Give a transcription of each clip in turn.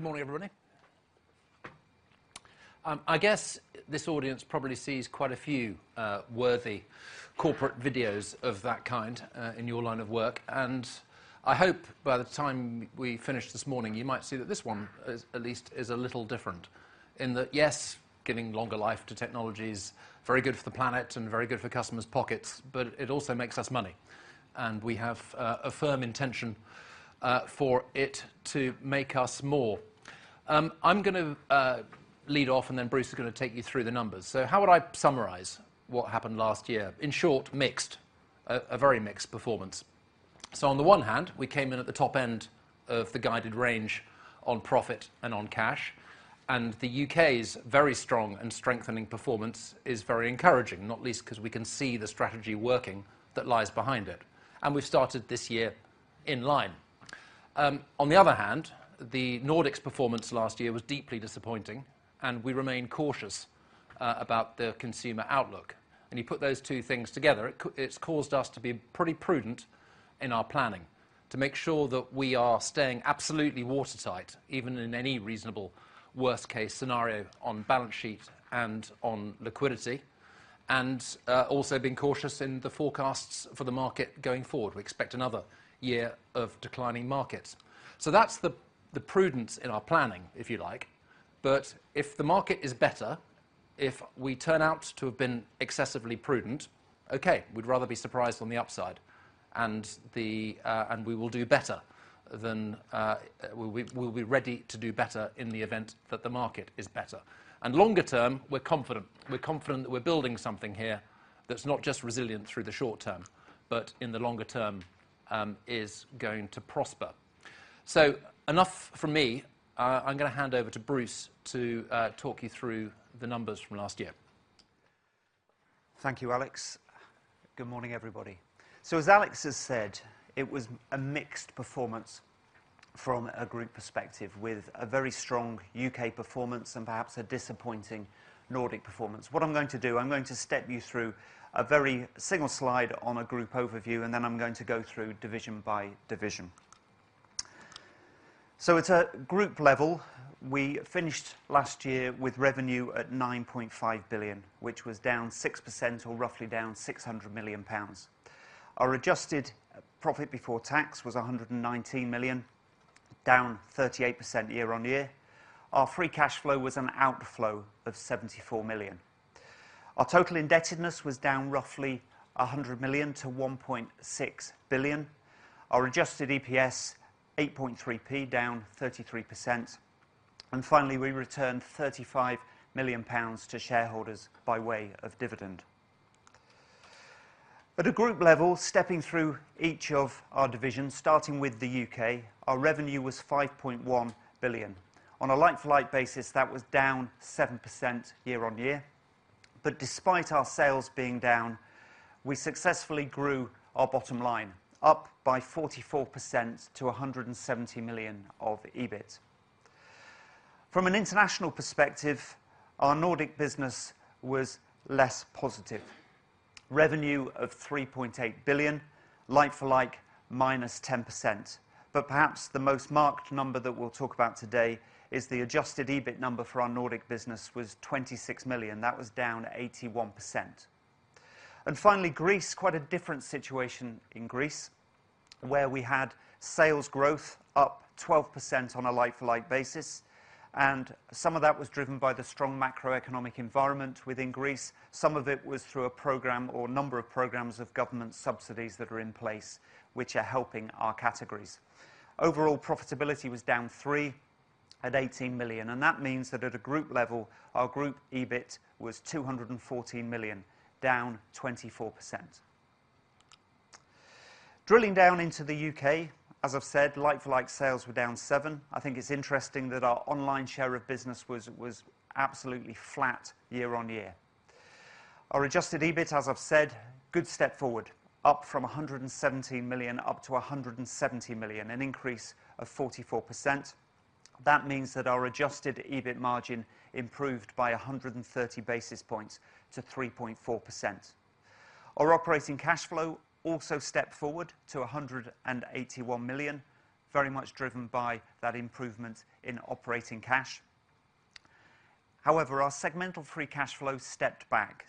Good morning, everybody. I guess this audience probably sees quite a few worthy corporate videos of that kind in your line of work, and I hope by the time we finish this morning, you might see that this one is, at least, is a little different. Yes, giving longer life to technology is very good for the planet and very good for customers' pockets, but it also makes us money, and we have a firm intention for it to make us more. I'm gonna lead off, Bruce is gonna take you through the numbers. How would I summarize what happened last year? In short, mixed, a very mixed performance. On the one hand, we came in at the top end of the guided range on profit and on cash, and the U.K.'s very strong and strengthening performance is very encouraging, not least because we can see the strategy working that lies behind it, and we've started this year in line. On the other hand, the Nordics' performance last year was deeply disappointing, and we remain cautious about the consumer outlook. You put those two things together, it's caused us to be pretty prudent in our planning to make sure that we are staying absolutely watertight, even in any reasonable worst-case scenario on balance sheet and on liquidity, and also being cautious in the forecasts for the market going forward. We expect another year of declining markets. That's the prudence in our planning, if you like. If the market is better, if we turn out to have been excessively prudent, okay, we'd rather be surprised on the upside, and we will do better than we'll be ready to do better in the event that the market is better. Longer term, we're confident. We're confident that we're building something here that's not just resilient through the short term, but in the longer term, is going to prosper. Enough from me. I'm gonna hand over to Bruce to talk you through the numbers from last year. Thank you, Alex. Good morning, everybody. As Alex has said, it was a mixed performance from a group perspective, with a very strong U.K. performance and perhaps a disappointing Nordic performance. What I'm going to do, I'm going to step you through a very single slide on a group overview, and then I'm going to go through division by division. At a group level, we finished last year with revenue at 9.5 billion, which was down 6% or roughly down 600 million pounds. Our adjusted profit before tax was 119 million, down 38% year-on-year. Our free cash flow was an outflow of 74 million. Our total indebtedness was down roughly 100 million-1.6 billion. Our adjusted EPS, 8.3p, down 33%. Finally, we returned 35 million pounds to shareholders by way of dividend. At a group level, stepping through each of our divisions, starting with the U.K., our revenue was 5.1 billion. On a like-for-like basis, that was down 7% year-over-year. Despite our sales being down, we successfully grew our bottom line, up by 44%-GBP 170 million of EBIT. From an international perspective, our Nordic business was less positive. Revenue of GBP 3.8 billion, like-for-like, -10%. Perhaps the most marked number that we'll talk about today is the adjusted EBIT number for our Nordic business was 26 million. That was down 81%. Finally, Greece, quite a different situation in Greece, where we had sales growth up 12% on a like-for-like basis. Some of that was driven by the strong macroeconomic environment within Greece. Some of it was through a program or a number of programs of government subsidies that are in place, which are helping our categories. Overall, profitability was down 3% at 18 million. That means that at a group level, our group EBIT was 214 million, down 24%. Drilling down into the U.K., as I've said, like-for-like sales were down 7%. I think it's interesting that our online share of business was absolutely flat year-on-year. Our adjusted EBIT, as I've said, good step forward, up from 117 million up to 170 million, an increase of 44%. That means that our adjusted EBIT margin improved by 130 basis points to 3.4%. Our operating cash flow also stepped forward to 181 million, very much driven by that improvement in operating cash. However, our segmental free cash flow stepped back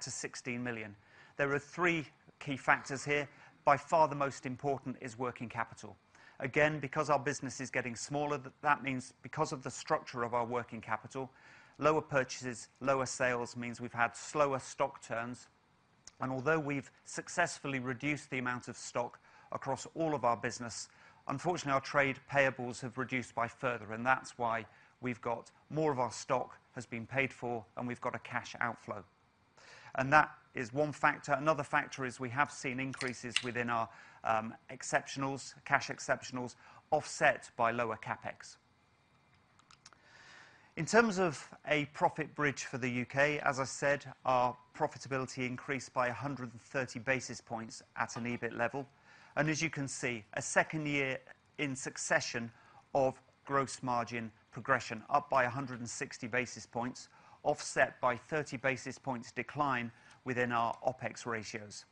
to 16 million. There are three key factors here. By far, the most important is working capital. Again, because our business is getting smaller, that means because of the structure of our working capital, lower purchases, lower sales means we've had slower stock turns, and although we've successfully reduced the amount of stock across all of our business, unfortunately, our trade payables have reduced by further, and that's why we've got more of our stock has been paid for, and we've got a cash outflow. That is one factor. Another factor is we have seen increases within our exceptionals, cash exceptionals, offset by lower CapEx. In terms of a profit bridge for the U.K., as I said, our profitability increased by 130 basis points at an EBIT level. As you can see, a second year in succession of gross margin progression, up by 160 basis points, offset by 30 basis points decline within our OpEx ratios.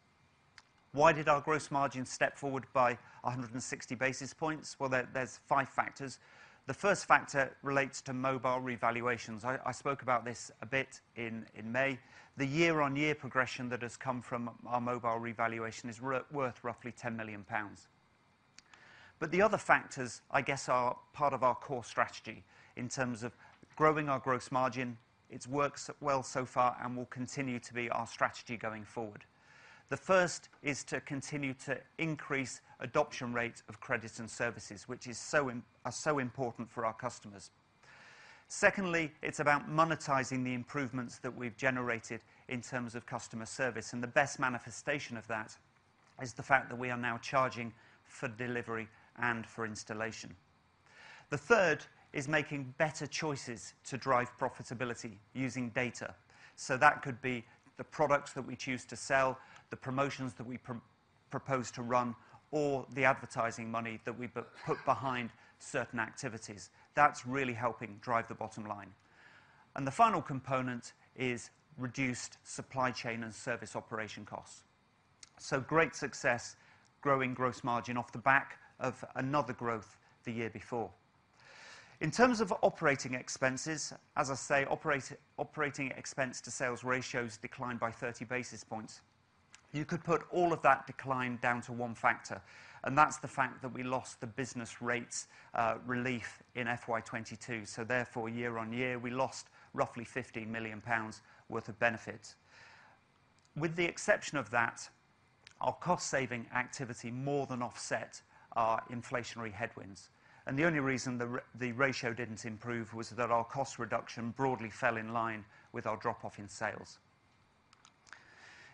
Why did our gross margin step forward by 160 basis points? There's five factors. The first factor relates to mobile revaluations. I spoke about this a bit in May. The year-on-year progression that has come from our mobile revaluation is worth roughly 10 million pounds. The other factors, I guess, are part of our core strategy in terms of growing our gross margin. It's worked well so far and will continue to be our strategy going forward. The first is to continue to increase adoption rates of credits and services, which are so important for our customers. Secondly, it's about monetizing the improvements that we've generated in terms of customer service. The best manifestation of that is the fact that we are now charging for delivery and for installation. The third is making better choices to drive profitability using data. That could be the products that we choose to sell, the promotions that we propose to run, or the advertising money that we put behind certain activities. That's really helping drive the bottom line. The final component is reduced supply chain and service operation costs. Great success growing gross margin off the back of another growth the year before. In terms of operating expenses, as I say, operating expense to sales ratios declined by 30 basis points. You could put all of that decline down to one factor, and that's the fact that we lost the business rates relief in FY2022, so therefore, year-on-year, we lost roughly 50 million pounds worth of benefit. With the exception of that, our cost-saving activity more than offset our inflationary headwinds, and the only reason the ratio didn't improve was that our cost reduction broadly fell in line with our drop-off in sales.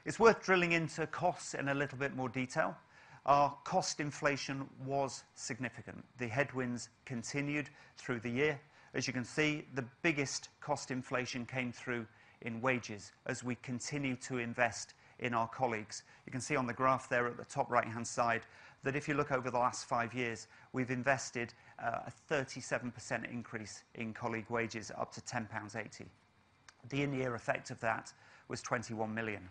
It's worth drilling into costs in a little bit more detail. Our cost inflation was significant. The headwinds continued through the year. As you can see, the biggest cost inflation came through in wages as we continued to invest in our colleagues. You can see on the graph there at the top right-hand side, that if you look over the last five years, we've invested a 37% increase in colleague wages, up to 10.80 pounds. The in-year effect of that was 21 million.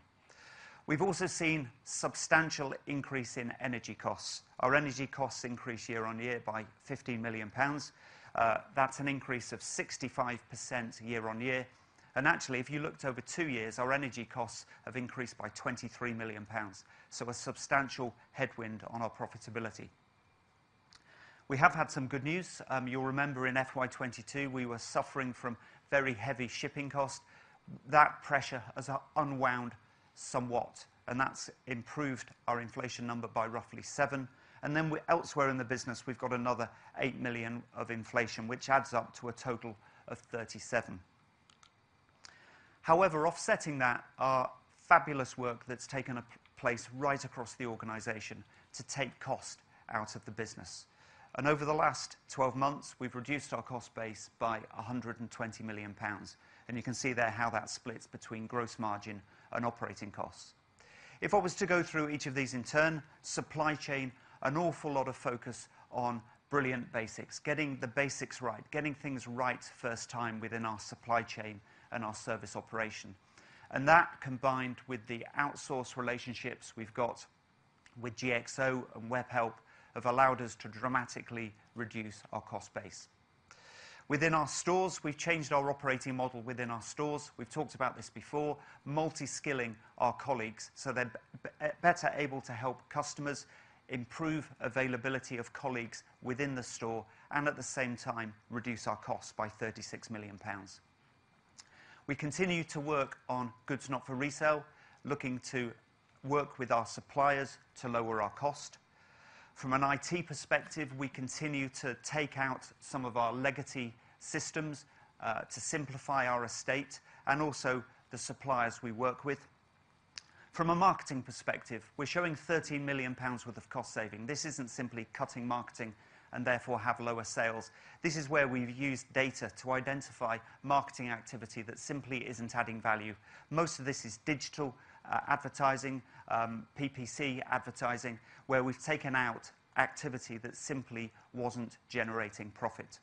We've also seen substantial increase in energy costs. Our energy costs increased year-on-year by 50 million pounds. That's an increase of 65% year-on-year. And actually, if you looked over two years, our energy costs have increased by 23 million pounds, so a substantial headwind on our profitability. We have had some good news. You'll remember in FY 2022, we were suffering from very heavy shipping costs. That pressure has unwound somewhat, and that's improved our inflation number by roughly 7%. Elsewhere in the business, we've got another 8 million of inflation, which adds up to a total of 37 million. However, offsetting that are fabulous work that's taken place right across the organization to take cost out of the business. Over the last 12 months, we've reduced our cost base by 120 million pounds, and you can see there how that splits between gross margin and operating costs. If I was to go through each of these in turn, supply chain, an awful lot of focus on brilliant basics, getting the basics right, getting things right first time within our supply chain and our service operation. That, combined with the outsource relationships we've got with GXO and Webhelp, have allowed us to dramatically reduce our cost base. Within our stores, we've changed our operating model within our stores. We've talked about this before, multi-skilling our colleagues so they're better able to help customers, improve availability of colleagues within the store, and at the same time, reduce our costs by 36 million pounds. We continue to work on Goods Not For Resale, looking to work with our suppliers to lower our cost. From an IT perspective, we continue to take out some of our legacy systems to simplify our estate and also the suppliers we work with. From a marketing perspective, we're showing 13 million pounds worth of cost saving. This isn't simply cutting marketing and therefore have lower sales. This is where we've used data to identify marketing activity that simply isn't adding value. Most of this is digital advertising, PPC advertising, where we've taken out activity that simply wasn't generating profit.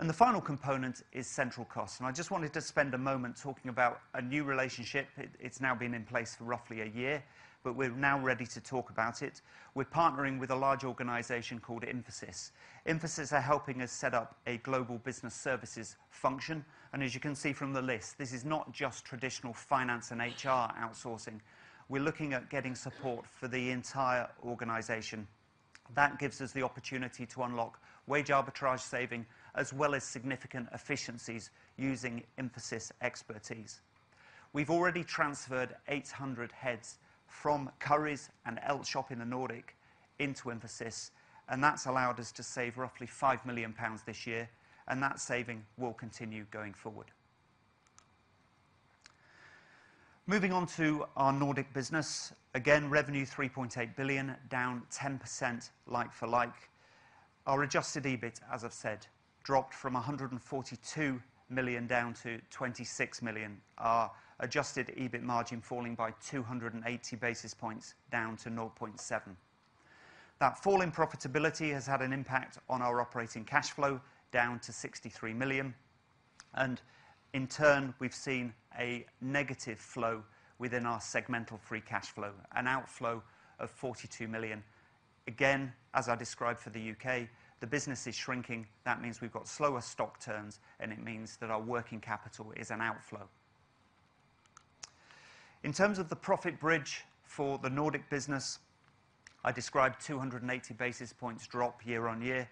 The final component is central cost, I just wanted to spend a moment talking about a new relationship. It's now been in place for roughly a year, but we're now ready to talk about it. We're partnering with a large organization called Infosys. Infosys are helping us set up a global business services function, and as you can see from the list, this is not just traditional finance and HR outsourcing. We're looking at getting support for the entire organization. That gives us the opportunity to unlock wage arbitrage saving, as well as significa nt efficiencies using Infosys' expertise. We've already transferred 800 heads from Currys and Elgiganten in the Nordic into Infosys, and that's allowed us to save roughly 5 million pounds this year, and that saving will continue going forward. Moving on to our Nordic business, again, revenue 3.8 billion, down 10% like for like. Our adjusted EBIT, as I've said, dropped from 142 million down to 26 million. Our adjusted EBIT margin falling by 280 basis points, down to 0.7%. That fall in profitability has had an impact on our operating cash flow, down to 63 million, in turn, we've seen a negative flow within our segmental free cash flow, an outflow of 42 million. Again, as I described for the U.K., the business is shrinking. That means we've got slower stock turns, it means that our working capital is an outflow. In terms of the profit bridge for the Nordic business, I described 280 basis points drop year on year.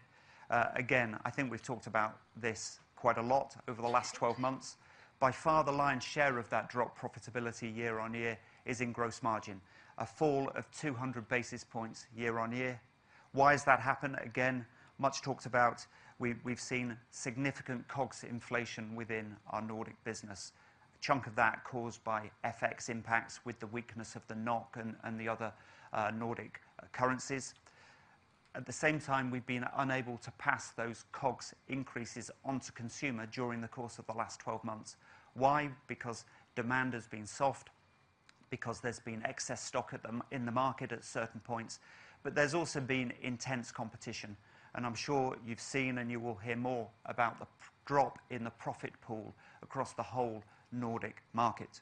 Again, I think we've talked about this quite a lot over the last 12 months. By far, the lion's share of that drop profitability year-on-year is in gross margin, a fall of 200 basis points year-on-year. Why has that happened? Again, much talked about, we've seen significant COGS inflation within our Nordic business. A chunk of that caused by FX impacts with the weakness of the NOK and the other Nordic currencies. At the same time, we've been unable to pass those COGS increases on to consumer during the course of the last 12 months. Why? Because demand has been soft, because there's been excess stock in the market at certain points, but there's also been intense competition. I'm sure you've seen, and you will hear more about the drop in the profit pool across the whole Nordic market.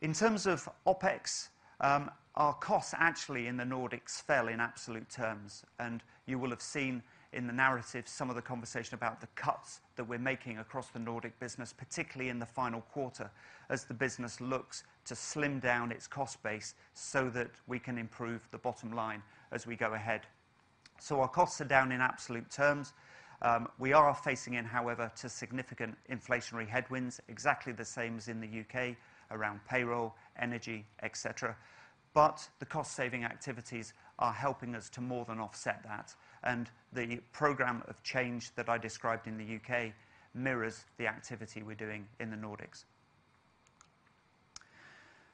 In terms of OpEx, our costs actually in the Nordics fell in absolute terms, and you will have seen in the narrative some of the conversation about the cuts that we're making across the Nordic business, particularly in the final quarter, as the business looks to slim down its cost base so that we can improve the bottom line as we go ahead. Our costs are down in absolute terms. We are facing in, however, to significant inflationary headwinds, exactly the same as in the U.K., around payroll, energy, et cetera. The cost-saving activities are helping us to more than offset that, and the program of change that I described in the U.K. mirrors the activity we're doing in the Nordics.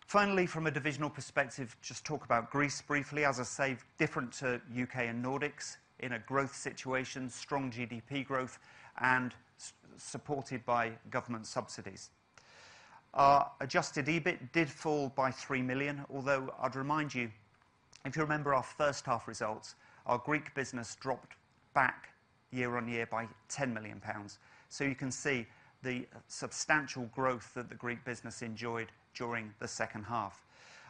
Finally, from a divisional perspective, just talk about Greece briefly. As I say, different to U.K. and Nordics, in a growth situation, strong GDP growth, and supported by government subsidies. Our adjusted EBIT did fall by 3 million, although I'd remind you, if you remember our first half results, our Greek business dropped back year-over-year by 10 million pounds. You can see the substantial growth that the Greek business enjoyed during the second half.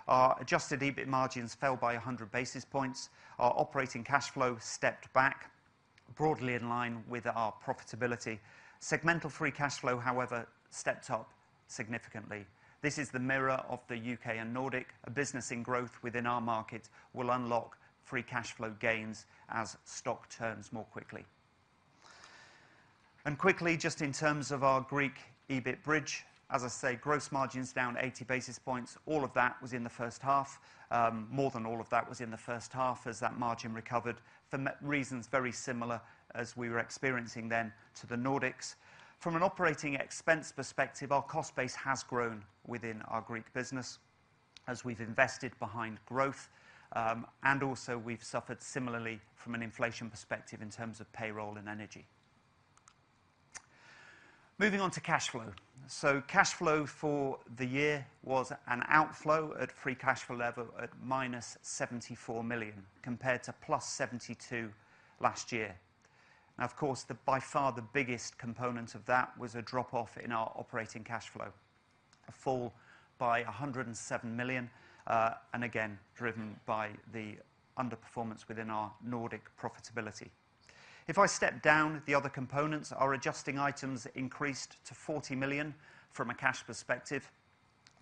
Our adjusted EBIT margins fell by 100 basis points. Our operating cash flow stepped back, broadly in line with our profitability. Segmental free cash flow, however, stepped up significantly. This is the mirror of the U.K. and Nordic. A business in growth within our market will unlock free cash flow gains as stock turns more quickly. Quickly, just in terms of our Greek EBIT bridge, as I say, gross margins down 80 basis points. All of that was in the first half. More than all of that was in the first half as that margin recovered for reasons very similar as we were experiencing then to the Nordics. From an operating expense perspective, our cost base has grown within our Greek business as we've invested behind growth, and also we've suffered similarly from an inflation perspective in terms of payroll and energy. Moving on to cash flow. Cash flow for the year was an outflow at free cash flow level at -74 million, compared to +72 million last year. Of course, the by far the biggest component of that was a drop-off in our operating cash flow, a fall by 107 million, and again, driven by the underperformance within our Nordic profitability. If I step down, the other components, our adjusting items increased to 40 million from a cash perspective.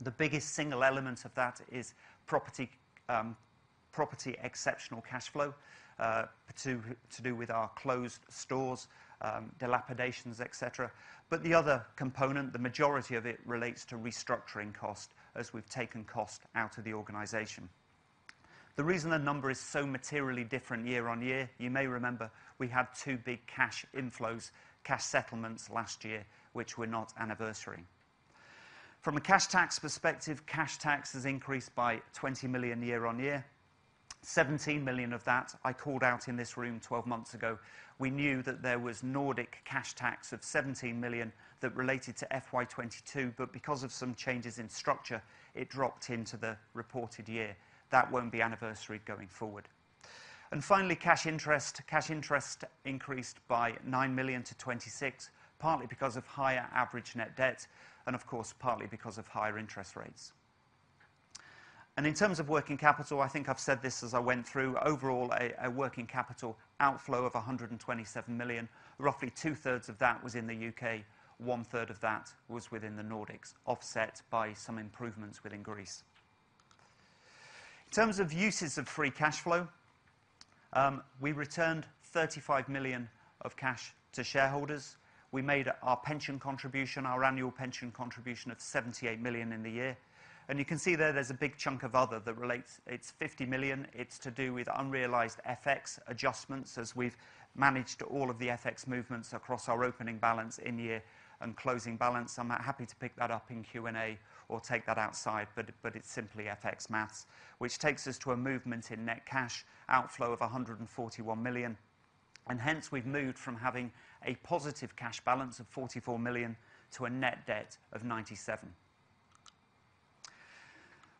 The biggest single element of that is property exceptional cash flow, to do with our closed stores, dilapidations, etc.. The other component, the majority of it relates to restructuring cost as we've taken cost out of the organization. The reason the number is so materially different year-on-year, you may remember we had two big cash inflows, cash settlements last year, which were not anniversary. From a cash tax perspective, cash tax has increased by 20 million year-on-year. 17 million of that I called out in this room 12 months ago. We knew that there was Nordic cash tax of 17 million that related to FY 2022, but because of some changes in structure, it dropped into the reported year. That won't be anniversary going forward. Finally, cash interest. Cash interest increased by 9 million-26 million, partly because of higher average net debt, and of course, partly because of higher interest rates. In terms of working capital, I think I've said this as I went through, overall, a working capital outflow of 127 million. Roughly 2/3 of that was in the U.K., 1/3 of that was within the Nordics, offset by some improvements within Greece. In terms of uses of free cash flow, we returned 35 million of cash to shareholders. We made our pension contribution, our annual pension contribution of 78 million in the year. You can see there's a big chunk of other that relates. It's 50 million. It's to do with unrealized FX adjustments, as we've managed all of the FX movements across our opening balance in year and closing balance. I'm happy to pick that up in Q&A or take that outside, but it's simply FX math, which takes us to a movement in net cash outflow of 141 million, and hence we've moved from having a positive cash balance of 44 million to a net debt of 97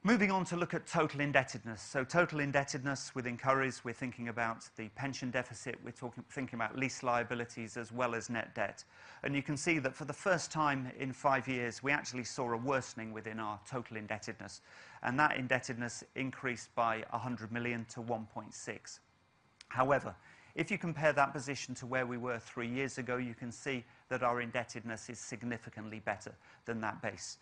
million. Moving on to look at total indebtedness. Total indebtedness within Currys, we're thinking about the pension deficit, we're thinking about lease liabilities as well as net debt. You can see that for the first time in five years, we actually saw a worsening within our total indebtedness, and that indebtedness increased by 100 million to 1.6 billion. However, if you chair that position to where we were three years ago, you can see that our indebtedness is significantly better than that base.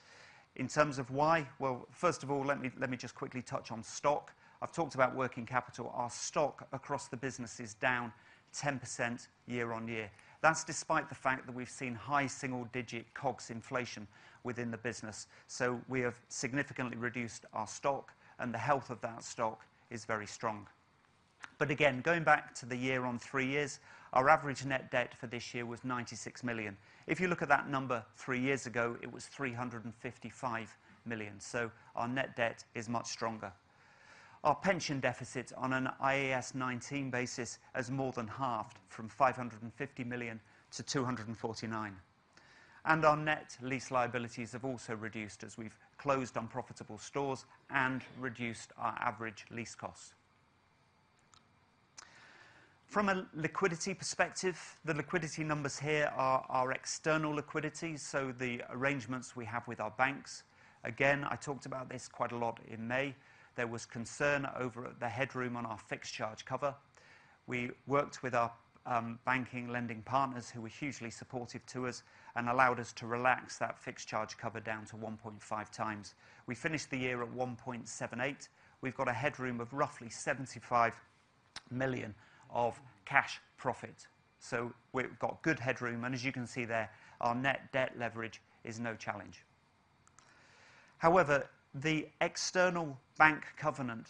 In terms of why? Well, first of all, let me, let me just quickly touch on stock. I've talked about working capital. Our stock across the business is down 10% year-on-year. That's despite the fact that we've seen high single-digit COGS inflation within the business. We have significantly reduced our stock, and the health of that stock is very strong. Again, going back to the year on three years, our average net debt for this year was 96 million. If you look at that number, three years ago, it was 355 million, so our net debt is much stronger. Our pension deficit on an IAS 19 basis has more than halved, from 550 million-249 million. Our net lease liabilities have also reduced as we've closed unprofitable stores and reduced our average lease costs. From a liquidity perspective, the liquidity numbers here are our external liquidity, so the arrangements we have with our banks. Again, I talked about this quite a lot in May. There was concern over the headroom on our fixed charge cover. We worked with our banking lending partners, who were hugely supportive to us and allowed us to relax that fixed charge cover down to 1.5x. We finished the year at 1.78. We've got a headroom of roughly 75 million of cash profit, so we've got good headroom, and as you can see there, our net debt leverage is no challenge. However, the external bank covenant,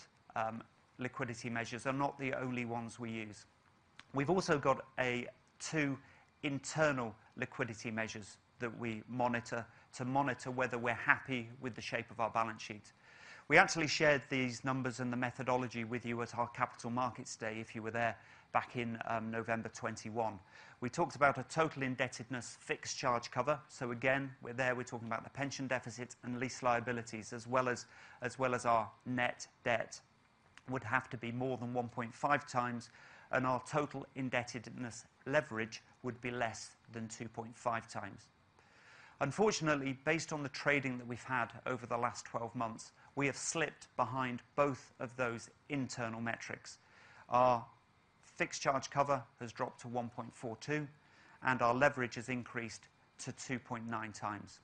liquidity measures are not the only ones we use. We've also got a two internal liquidity measures that we monitor to monitor whether we're happy with the shape of our balance sheet. We actually shared these numbers and the methodology with you at our Capital Markets Day, if you were there, back in November 2021. We talked about a total indebtedness fixed charge cover. Again, we're there, we're talking about the pension deficit and lease liabilities as well as our net debt, would have to be more than 1.5x, and our total indebtedness leverage would be less than 2.5x. Unfortunately, based on the trading that we've had over the last 12 months, we have slipped behind both of those internal metrics. Our fixed charge cover has dropped to 1.42, and our leverage has increased to 2.9x.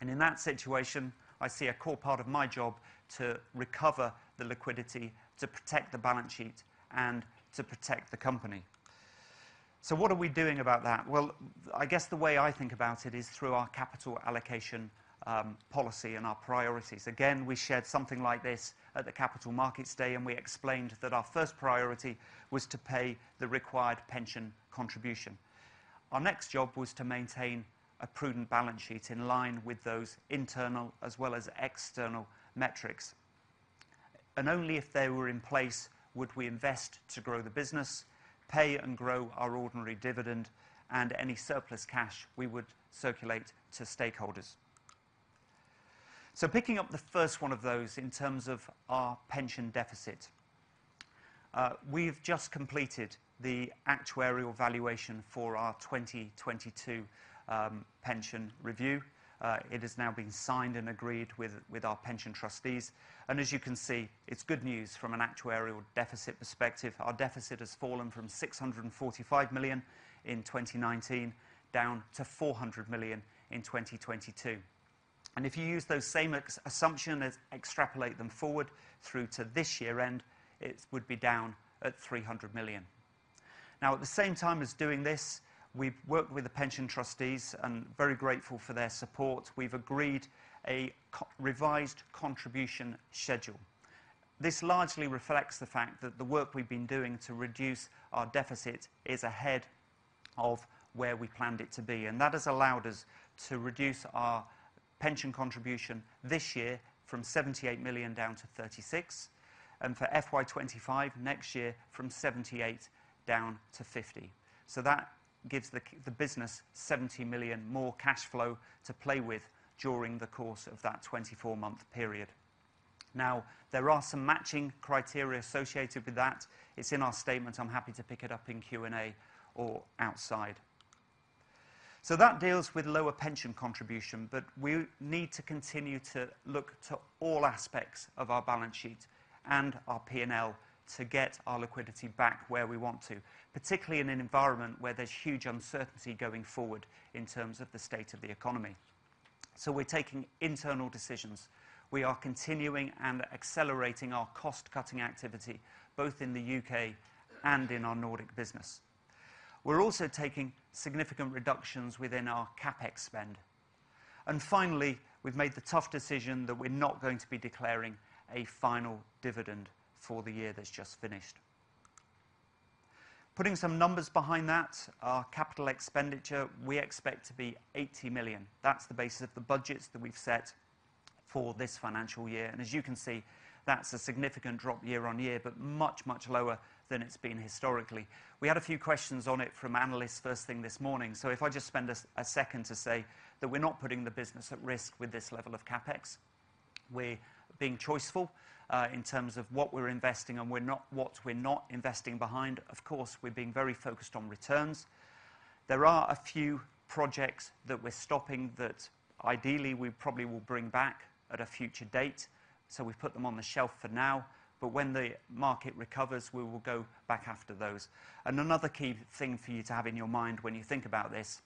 In that situation, I see a core part of my job to recover the liquidity, to protect the balance sheet, and to protect the company. What are we doing about that? Well, I guess the way I think about it is through our capital allocation policy and our priorities. Again, we shared something like this at the Capital Markets Day, and we explained that our first priority was to pay the required pension contribution. Our next job was to maintain a prudent balance sheet in line with those internal as well as external metrics. Only if they were in place, would we invest to grow the business, pay and grow our ordinary dividend, and any surplus cash we would circulate to stakeholders. Picking up the first one of those in terms of our pension deficit, we've just completed the actuarial valuation for our 2022 pension review. It has now been signed and agreed with our pension trustees, and as you can see, it's good news from an actuarial deficit perspective. Our deficit has fallen from 645 million in 2019 down to 400 million in 2022. If you use those same assumptions and extrapolate them forward through to this year end, it would be down at 300 million. Now, at the same time as doing this, we've worked with the pension trustees and very grateful for their support. We've agreed a co- revised contribution schedule. This largely reflects the fact that the work we've been doing to reduce our deficit is ahead of where we planned it to be. That has allowed us to reduce our pension contribution this year from 78 million down to 36 million, and for FY 2025, next year, from 78 million down to 50 million. That gives the business 70 million more cash flow to play with during the course of that 24-month period. There are some matching criteria associated with that. It's in our statement. I'm happy to pick it up in Q&A or outside. That deals with lower pension contribution, but we need to continue to look to all aspects of our balance sheet and our P&L to get our liquidity back where we want to, particularly in an environment where there's huge uncertainty going forward in terms of the state of the economy. We're taking internal decisions. We are continuing and accelerating our cost-cutting activity, both in the U.K. and in our Nordic business. We're also taking significant reductions within our CapEx spend. Finally, we've made the tough decision that we're not going to be declaring a final dividend for the year that's just finished. Putting some numbers behind that, our capital expenditure, we expect to be 80 million. That's the basis of the budgets that we've set for this financial year, and as you can see, that's a significant drop year-on-year, but much, much lower than it's been historically. We had a few questions on it from analysts first thing this morning, so if I just spend a second to say that we're not putting the business at risk with this level of CapEx. We're being choiceful in terms of what we're investing and we're not, what we're not investing behind. Of course, we're being very focused on returns. There are a few projects that we're stopping that ideally we probably will bring back at a future date, so we've put them on the shelf for now, but when the market recovers, we will go back after those. Another key thing for you to have in your mind when you think about this,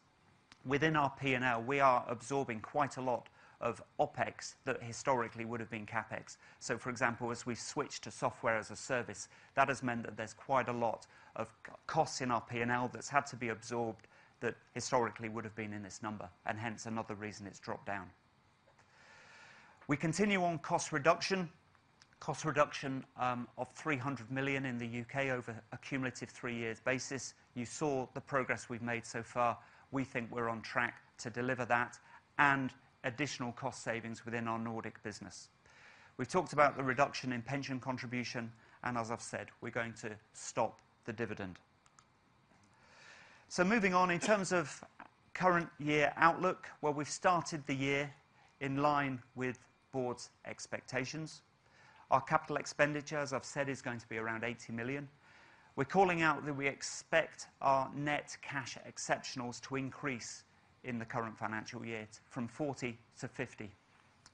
within our P&L, we are absorbing quite a lot of OpEx that historically would have been CapEx. For example, as we switch to software as a service, that has meant that there's quite a lot of costs in our P&L that's had to be absorbed, that historically would have been in this number, and hence another reason it's dropped down. We continue on cost reduction. Cost reduction of 300 million in the U.K. over a cumulative three years basis. You saw the progress we've made so far. We think we're on track to deliver that and additional cost savings within our Nordic business. We've talked about the reduction in pension contribution, and as I've said, we're going to stop the dividend. Moving on, in terms of current year outlook, well, we've started the year in line with Board's expectations. Our capital expenditure, as I've said, is going to be around 80 million. We're calling out that we expect our net cash exceptionals to increase in the current financial year from 40-50.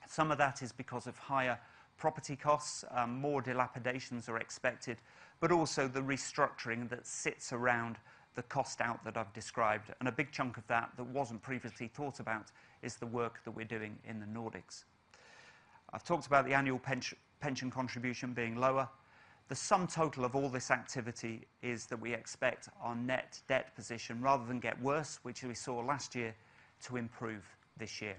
Some of that is because of higher property costs, more dilapidations are expected, but also the restructuring that sits around the cost out that I've described. A big chunk of that wasn't previously thought about, is the work that we're doing in the Nordics. I've talked about the annual pension contribution being lower. The sum total of all this activity is that we expect our net debt position, rather than get worse, which we saw last year, to improve this year.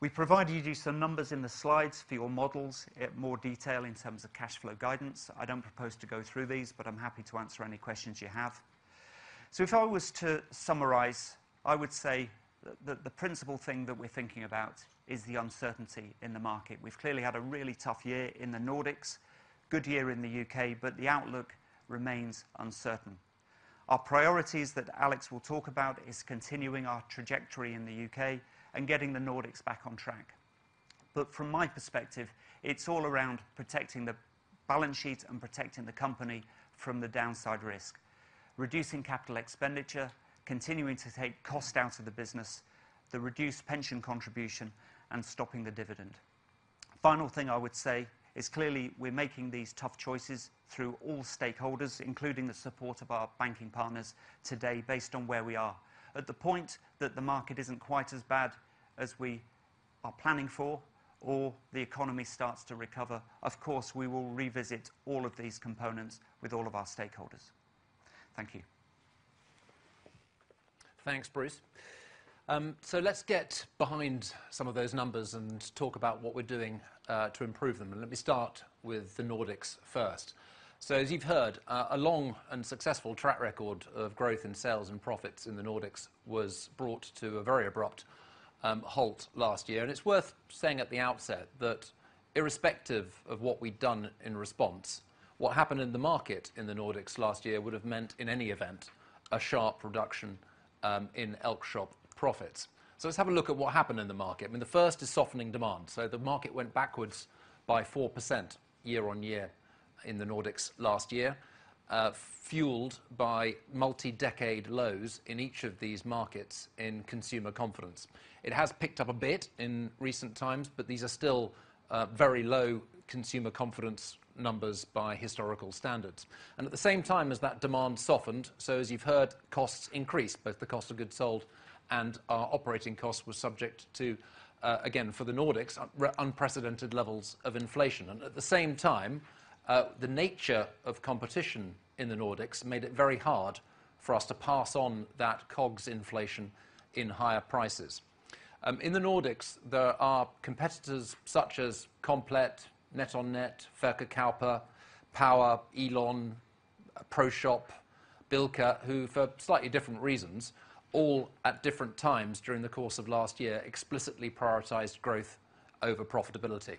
We provided you some numbers in the slides for your models in more detail in terms of cash flow guidance. I don't propose to go through these, but I'm happy to answer any questions you have. If I was to summarize, I would say that the principal thing that we're thinking about is the uncertainty in the market. We've clearly had a really tough year in the Nordics, good year in the U.K., but the outlook remains uncertain. Our priorities that Alex will talk about is continuing our trajectory in the U.K. and getting the Nordics back on track. From my perspective, it's all around protecting the balance sheet and protecting the company from the downside risk, reducing capital expenditure, continuing to take cost out of the business, the reduced pension contribution, and stopping the dividend. Final thing I would say is clearly we're making these tough choices through all stakeholders, including the support of our banking partners today based on where we are. At the point that the market isn't quite as bad as we are planning for, or the economy starts to recover, of course, we will revisit all of these components with all of our stakeholders. Thank you. Thanks, Bruce. Let's get behind some of those numbers and talk about what we're doing to improve them. Let me start with the Nordics first. As you've heard, a long and successful track record of growth in sales and profits in the Nordics was brought to a very abrupt halt last year. It's worth saying at the outset that irrespective of what we'd done in response, what happened in the market in the Nordics last year would have meant, in any event, a sharp reduction in Elkjøp profits. Let's have a look at what happened in the market. I mean, the first is softening demand. The market went backwards by 4% year-on-year in the Nordics last year, fueled by multi-decade lows in each of these markets in consumer confidence. It has picked up a bit in recent times. These are still very low consumer confidence numbers by historical standards. As that demand softened, as you've heard, costs increased. Both the cost of goods sold and our operating costs were subject to, again, for the Nordics, unprecedented levels of inflation. The nature of competition in the Nordics made it very hard for us to pass on that COGS inflation in higher prices. In the Nordics, there are competitors such as Komplett, NetOnNet, Verkkokauppa, Power, Elon, ProShop, Bilka, who, for slightly different reasons, all at different times during the course of last year, explicitly prioritized growth over profitability.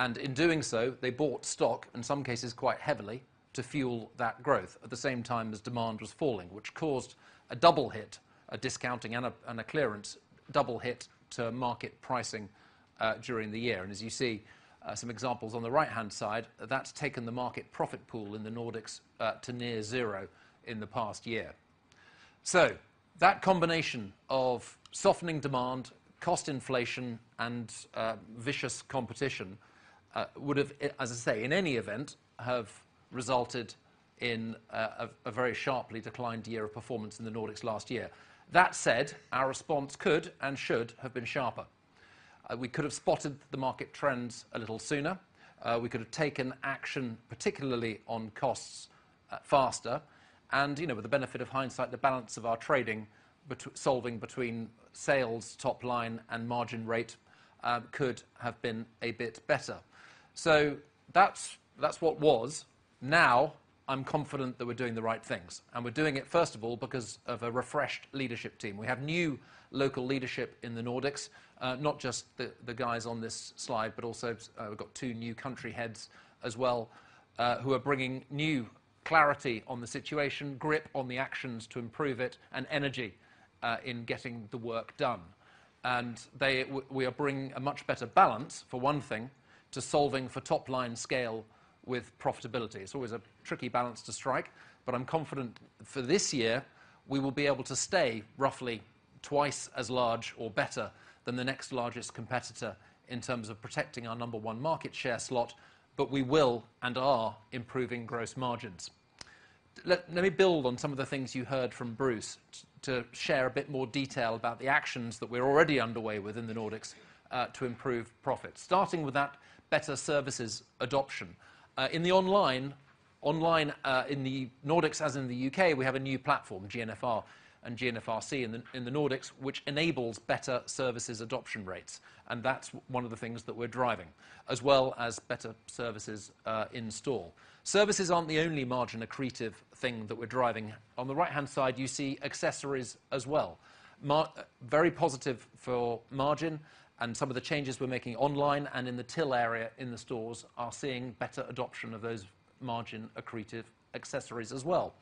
In doing so, they bought stock, in some cases, quite heavily, to fuel that growth at the same time as demand was falling, which caused a double hit, a discounting and a clearance double hit to market pricing during the year. As you see, some examples on the right-hand side, that's taken the market profit pool in the Nordics to near zero in the past year. That combination of softening demand, cost inflation, and vicious competition would have, as I say, in any event, have resulted in a very sharply declined year of performance in the Nordics last year. That said, our response could and should have been sharper. We could have spotted the market trends a little sooner. We could have taken action, particularly on costs, faster. You know, with the benefit of hindsight, the balance of our trading solving between sales, top line, and margin rate, could have been a bit better. That's, that's what was. I'm confident that we're doing the right things, and we're doing it, first of all, because of a refreshed leadership team. We have new local leadership in the Nordics, not just the guys on this slide, but also, we've got two new country heads as well, who are bringing clarity on the situation, grip on the actions to improve it, and energy in getting the work done. They, we are bringing a much better balance, for one thing, to solving for top-line scale with profitability. It's always a tricky balance to strike. I'm confident for this year we will be able to stay roughly twice as large or better than the next largest competitor in terms of protecting our number one market share slot, but we will, and are, improving gross margins. Let me build on some of the things you heard from Bruce to share a bit more detail about the actions that we're already underway with in the Nordics to improve profits. Starting with that better services adoption. In the online, in the Nordics, as in the U.K., we have a new platform, GNFR and GNFRC in the Nordics, which enables better services adoption rates, and that's one of the things that we're driving, as well as better services in store. Services aren't the only margin-accretive thing that we're driving. On the right-hand side, you see accessories as well. Very positive for margin and some of the changes we're making online and in the till area in the stores are seeing better adoption of those margin-accretive accessories as well.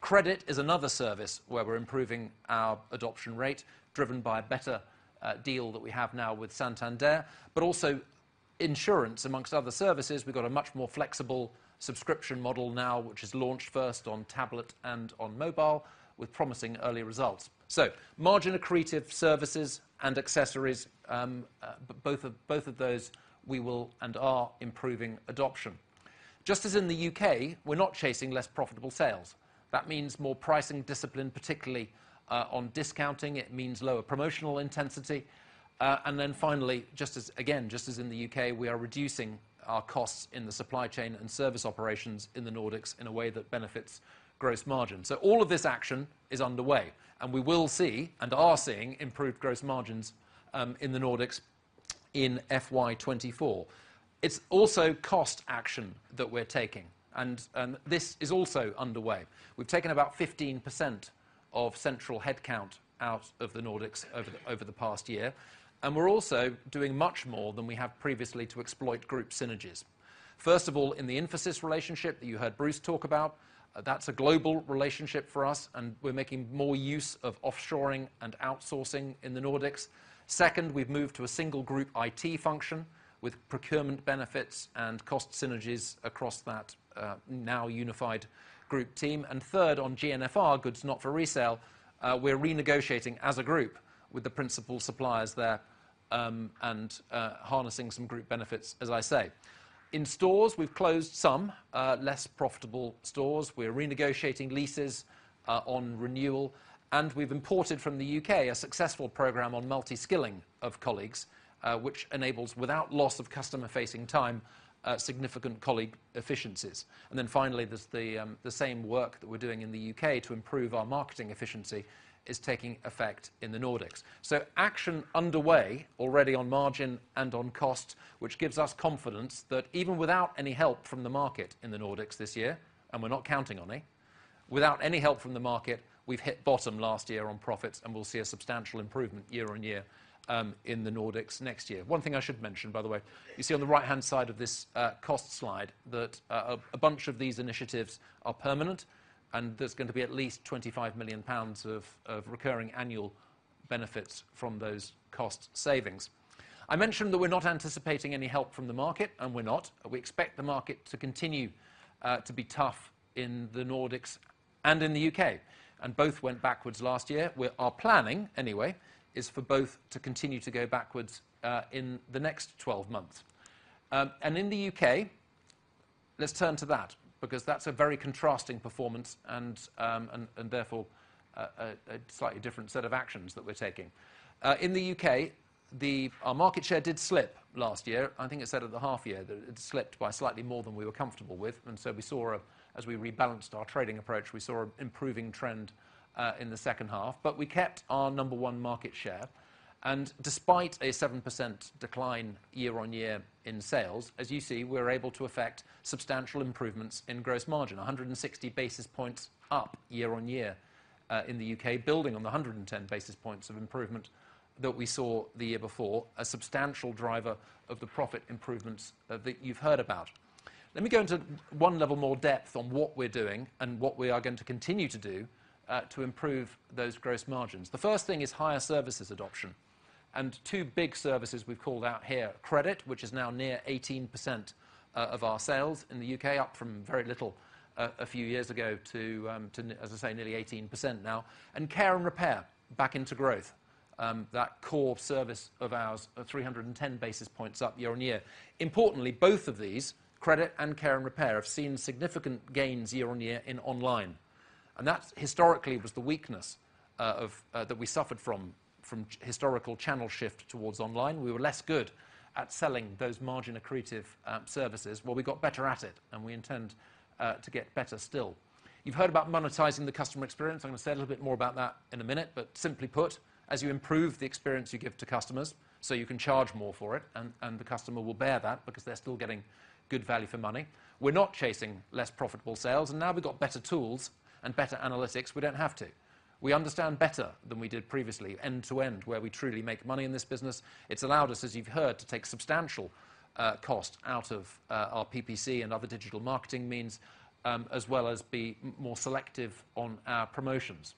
Credit is another service where we're improving our adoption rate, driven by a better deal that we have now with Santander, but also insurance, amongst other services. We've got a much more flexible subscription model now, which is launched first on tablet and on mobile, with promising early results. Margin-accretive services and accessories, both of those, we will and are improving adoption. Just as in the U.K., we're not chasing less profitable sales. That means more pricing discipline, particularly on discounting. It means lower promotional intensity. Finally, just as, again, just as in the U.K., we are reducing our costs in the supply chain and service operations in the Nordics in a way that benefits gross margin. All of this action is underway, and we will see, and are seeing, improved gross margins in the Nordics in FY 2024. It's also cost action that we're taking, and this is also underway. We've taken about 15% of central headcount out of the Nordics over the past year. We're also doing much more than we have previously to exploit group synergies. First of all, in the Infosys relationship that you heard Bruce talk about, that's a global relationship for us, and we're making more use of offshoring and outsourcing in the Nordics. Second, we've moved to a single group IT function with procurement benefits and cost synergies across that now unified group team. Third, on GNFR, Goods Not for Resale, we're renegotiating as a group with the principal suppliers there, harnessing some group benefits, as I say. In stores, we've closed some less profitable stores. We're renegotiating leases on renewal, and we've imported from the U.K. a successful program on multi-skilling of colleagues, which enables, without loss of customer-facing time, significant colleague efficiencies. Finally, there's the same work that we're doing in the U.K. to improve our marketing efficiency is taking effect in the Nordics. Action underway already on margin and on cost, which gives us confidence that even without any help from the market in the Nordics this year, and we're not counting on it, without any help from the market, we've hit bottom last year on profits, and we'll see a substantial improvement year-on-year in the Nordics next year. One thing I should mention, by the way, you see on the right-hand side of this cost slide, that a bunch of these initiatives are permanent, and there's going to be at least 25 million pounds of recurring annual benefits from those cost savings. I mentioned that we're not anticipating any help from the market, and we're not. We expect the market to continue to be tough in the Nordics and in the U.K., and both went backwards last year. Our planning, anyway, is for both to continue to go backwards, in the next 12 months. In the U.K., let's turn to that because that's a very contrasting performance and therefore, a slightly different set of actions that we're taking. In the U.K., our market share did slip last year. I think I said at the half year that it slipped by slightly more than we were comfortable with, so we saw, as we rebalanced our trading approach, we saw an improving trend in the second half. We kept our number one market share, and despite a 7% decline year on year in sales, as you see, we're able to effect substantial improvements in gross margin, 160 basis points up year on year, in the U.K., building on the 110 basis points of improvement that we saw the year before, a substantial driver of the profit improvements that you've heard about. Let me go into one level more depth on what we're doing and what we are going to continue to do to improve those gross margins. The first thing is higher services adoption. Two big services we've called out here, credit, which is now near 18% of our sales in the U.K., up from very little a few years ago to, as I say, nearly 18% now, and care and repair back into growth. That core service of ours are 310 basis points up year-on-year. Importantly, both of these, credit and care and repair, have seen significant gains year-on-year in online. That historically was the weakness of that we suffered from historical channel shift towards online. We were less good at selling those margin-accretive services. We got better at it, and we intend to get better still. You've heard about monetizing the customer experience. I'm gonna say a little bit more about that in a minute. Simply put, as you improve the experience you give to customers, so you can charge more for it, and the customer will bear that because they're still getting good value for money. We're not chasing less profitable sales. Now we've got better tools and better analytics, we don't have to. We understand better than we did previously end to end, where we truly make money in this business. It's allowed us, as you've heard, to take substantial cost out of our PPC and other digital marketing means, as well as be more selective on our promotions.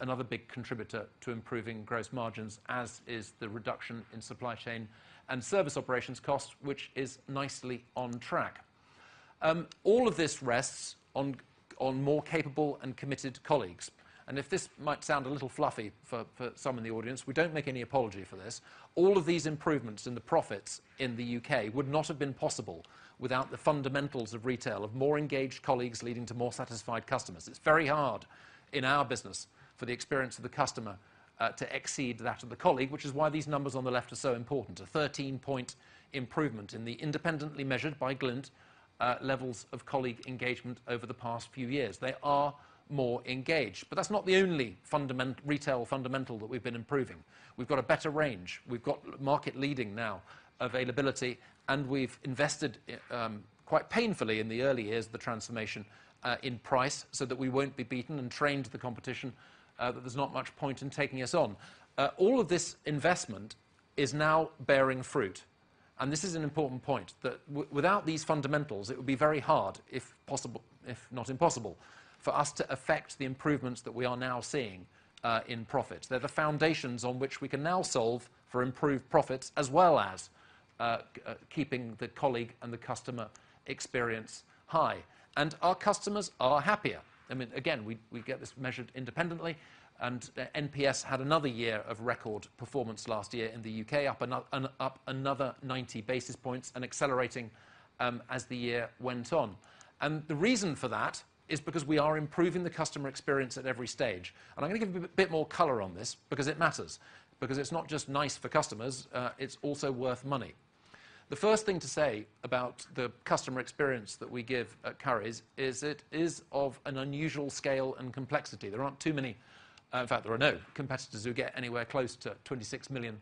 Another big contributor to improving gross margins, as is the reduction in supply chain and service operations costs, which is nicely on track. All of this rests on more capable and committed colleagues. If this might sound a little fluffy for some in the audience, we don't make any apology for this. All of these improvements in the profits in the U.K. would not have been possible without the fundamentals of retail, of more engaged colleagues leading to more satisfied customers. It's very hard in our business for the experience of the customer to exceed that of the colleague, which is why these numbers on the left are so important. A 13-point improvement in the independently measured, by Glint, levels of colleague engagement over the past few years. They are more engaged. That's not the only retail fundamental that we've been improving. We've got a better range, we've got market-leading now availability, and we've invested quite painfully in the early years of the transformation in price, so that we won't be beaten and trained to the competition, that there's not much point in taking us on. All of this investment is now bearing fruit, and this is an important point that without these fundamentals, it would be very hard, if possible, if not impossible, for us to affect the improvements that we are now seeing in profit. They're the foundations on which we can now solve for improved profits, as well as keeping the colleague and the customer experience high. Our customers are happier. I mean, again, we get this measured independently, and NPS had another year of record performance last year in the U.K., up another 90 basis points and accelerating, as the year went on. The reason for that is because we are improving the customer experience at every stage. I'm going to give you a bit more color on this because it matters, because it's not just nice for customers, it's also worth money. The first thing to say about the customer experience that we give at Currys is it is of an unusual scale and complexity. There aren't too many, in fact, there are no competitors who get anywhere close to 26 million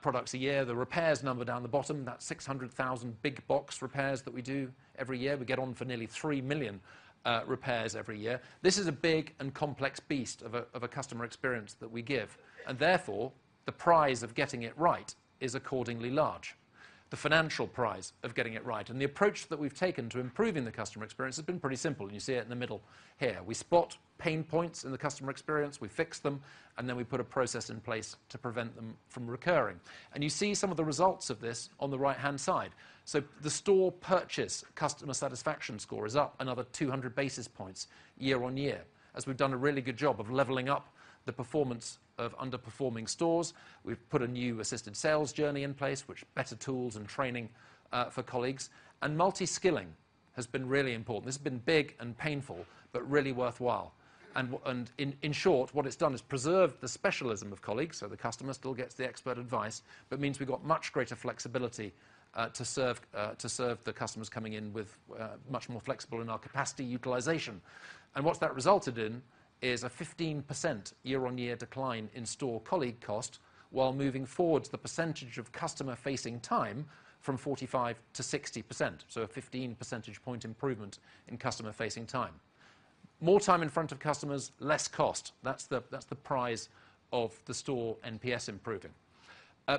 products a year. The repairs number down the bottom, that's 600,000 big box repairs that we do every year. We get on for nearly three million repairs every year. This is a big and complex beast of a customer experience that we give, and therefore, the prize of getting it right is accordingly large, the financial prize of getting it right. The approach that we've taken to improving the customer experience has been pretty simple, and you see it in the middle here. We spot pain points in the customer experience, we fix them, and then we put a process in place to prevent them from recurring. You see some of the results of this on the right-hand side. The store purchase customer satisfaction score is up another 200 basis points year-on-year, as we've done a really good job of leveling up the performance of underperforming stores. We've put a new assisted sales journey in place, which better tools and training for colleagues, and multi-skilling has been really important. This has been big and painful, but really worthwhile. In, in short, what it's done is preserve the specialism of colleagues, so the customer still gets the expert advice, but means we've got much greater flexibility to serve, to serve the customers coming in with much more flexible in our capacity utilization. What that resulted in is a 15% year-on-year decline in store colleague cost, while moving forward the percentage of customer-facing time from 45% to 60%, so a 15 percentage point improvement in customer-facing time. More time in front of customers, less cost. That's the prize of the store NPS improving.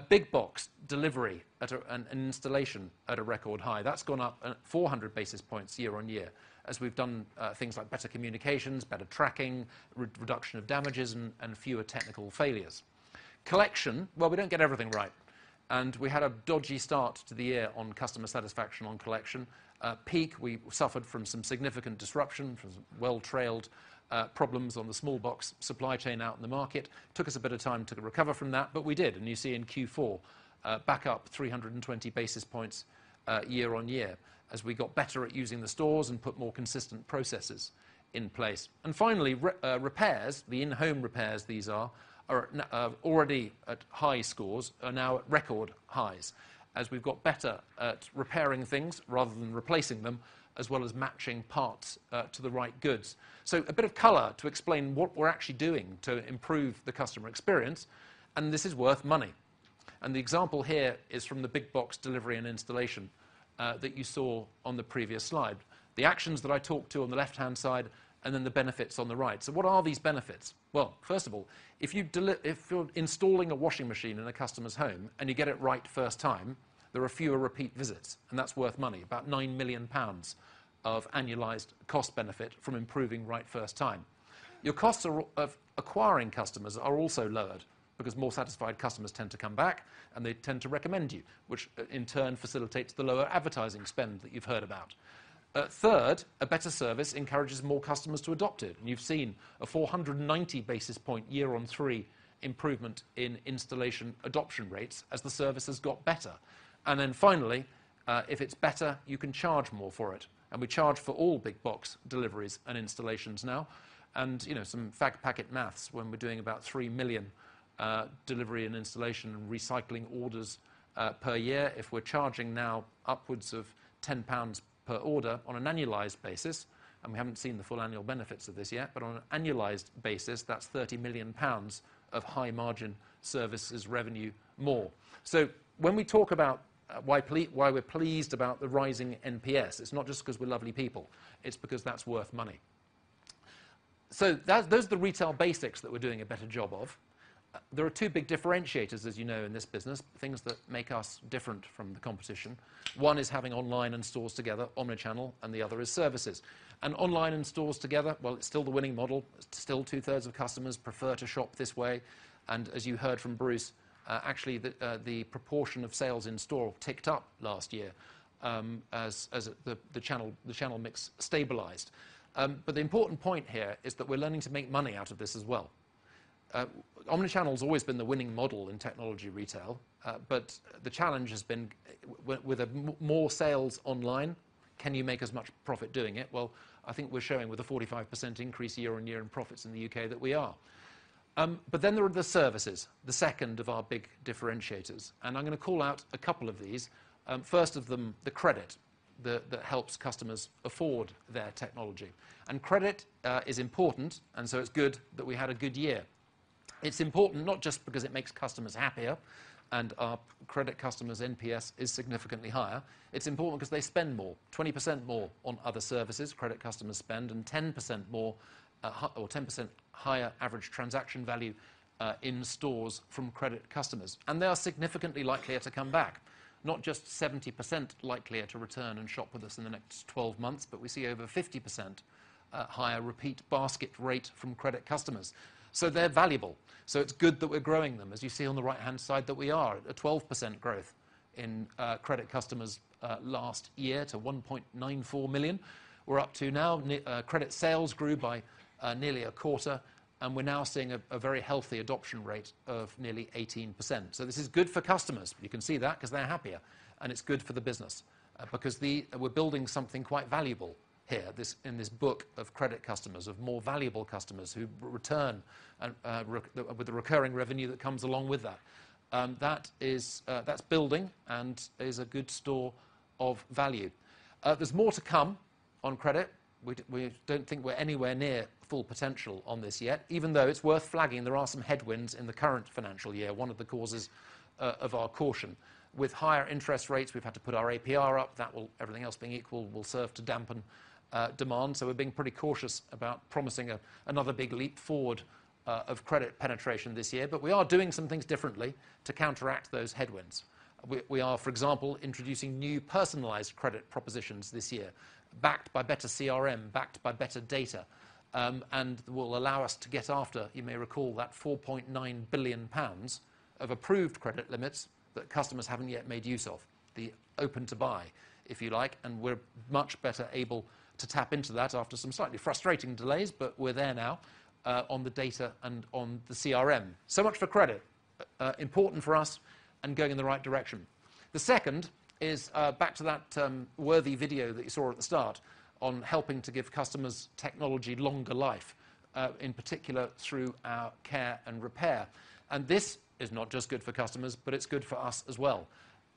Big box delivery at an installation at a record high. That's gone up, 400 basis points year-on-year, as we've done things like better communications, better tracking, reduction of damages and fewer technical failures. Collection, well, we don't get everything right, and we had a dodgy start to the year on customer satisfaction on collection. Peak, we suffered from some significant disruption, from well-trailed problems on the small box supply chain out in the market. Took us a bit of time to recover from that, but we did, and you see in Q4, back up 320 basis points year-on-year, as we got better at using the stores and put more consistent processes in place. Finally, repairs, the in-home repairs these are already at high scores, are now at record highs, as we've got better at repairing things rather than replacing them, as well as matching parts to the right goods. A bit of color to explain what we're actually doing to improve the customer experience, and this is worth money. The example here is from the big box delivery and installation that you saw on the previous slide. The actions that I talked to on the left-hand side. The benefits on the right. What are these benefits? First of all, if you're installing a washing machine in a customer's home and you get it right first time, there are fewer repeat visits, and that's worth money, about 9 million pounds of annualized cost benefit from improving right first time. Your costs are, of acquiring customers are also lowered because more satisfied customers tend to come back, and they tend to recommend you, which, in turn facilitates the lower advertising spend that you've heard about. Third, a better service encourages more customers to adopt it, and you've seen a 490 basis point year on three improvement in installation adoption rates as the service has got better. Finally, if it's better, you can charge more for it. We charge for all big box deliveries and installations now. You know, some fact packet math, when we're doing about 3 million delivery and installation and recycling orders per year, if we're charging now upwards of 10 pounds per order on an annualized basis, and we haven't seen the full annual benefits of this yet, but on an annualized basis, that's 30 million pounds of high-margin services revenue more. When we talk about why we're pleased about the rising NPS, it's not just because we're lovely people, it's because that's worth money. That, those are the retail basics that we're doing a better job of. There are two big differentiators, as you know, in this business, things that make us different from the competition. One is having online and stores together, omni-channel, and the other is services. Online and stores together, well, it's still the winning model. Still, two-thirds of customers prefer to shop this way, as you heard from Bruce, actually, the proportion of sales in-store ticked up last year, as the channel mix stabilized. The important point here is that we're learning to make money out of this as well. Omnichannel's always been the winning model in technology retail, the challenge has been with more sales online, can you make as much profit doing it? Well, I think we're showing with a 45% increase year-on-year in profits in the U.K. that we are. Then there are the services, the second of our big differentiators, and I'm gonna call out a couple of these. First of them, the credit that helps customers afford their technology. Credit is important. It's good that we had a good year. It's important not just because it makes customers happier. Our credit customers' NPS is significantly higher. It's important because they spend more, 20% more on other services, credit customers spend, 10% higher average transaction value in stores from credit customers. They are significantly likelier to come back, not just 70% likelier to return and shop with us in the next 12 months, but we see over 50% higher repeat basket rate from credit customers. They're valuable. It's good that we're growing them, as you see on the right-hand side, that we are, a 12% growth in credit customers last year to 1.94 million. We're up to now credit sales grew by nearly a quarter, and we're now seeing a very healthy adoption rate of nearly 18%. This is good for customers. You can see that 'cause they're happier, and it's good for the business because we're building something quite valuable here, this, in this book of credit customers, of more valuable customers who return with the recurring revenue that comes along with that. That is that's building and is a good store of value. There's more to come on credit. We don't think we're anywhere near full potential on this yet, even though it's worth flagging there are some headwinds in the current financial year, one of the causes of our caution. With higher interest rates, we've had to put our APR up. That will, everything else being equal, will serve to dampen demand. We're being pretty cautious about promising another big leap forward of credit penetration this year. We are doing some things differently to counteract those headwinds. We are, for example, introducing new personalized credit propositions this year, backed by better CRM, backed by better data, and will allow us to get after, you may recall, that 4.9 billion pounds of approved credit limits that customers haven't yet made use of, the open-to-buy, if you like, and we're much better able to tap into that after some slightly frustrating delays, but we're there now on the data and on the CRM. Much for credit, important for us and going in the right direction. The second is back to that worthy video that you saw at the start on helping to give customers' technology longer life, in particular through our care and repair. This is not just good for customers, but it's good for us as well.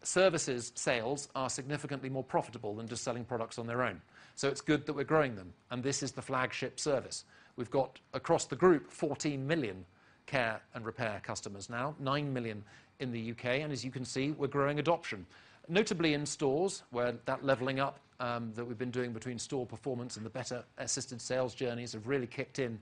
Services sales are significantly more profitable than just selling products on their own, so it's good that we're growing them, and this is the flagship service. We've got, across the group, 14 million care and repair customers now, 9 million in the U.K., and as you can see, we're growing adoption, notably in stores, where that leveling up that we've been doing between store performance and the better assisted sales journeys have really kicked in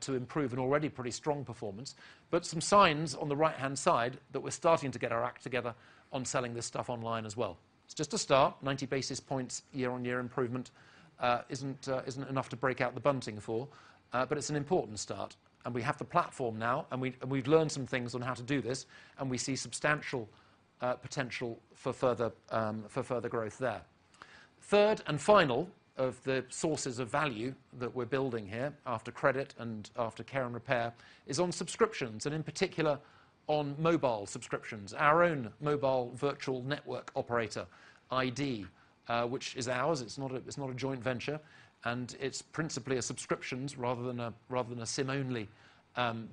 to improve an already pretty strong performance. Some signs on the right-hand side that we're starting to get our act together on selling this stuff online as well. It's just a start. 90 basis points year-on-year improvement, isn't enough to break out the bunting for, but it's an important start. We have the platform now, and we've learned some things on how to do this, and we see substantial potential for further growth there. Third and final of the sources of value that we're building here, after credit and after care and repair, is on subscriptions, and in particular, on mobile subscriptions, our own mobile virtual network operator, iD, which is ours, it's not a joint venture, and it's principally a subscriptions rather than a SIM-only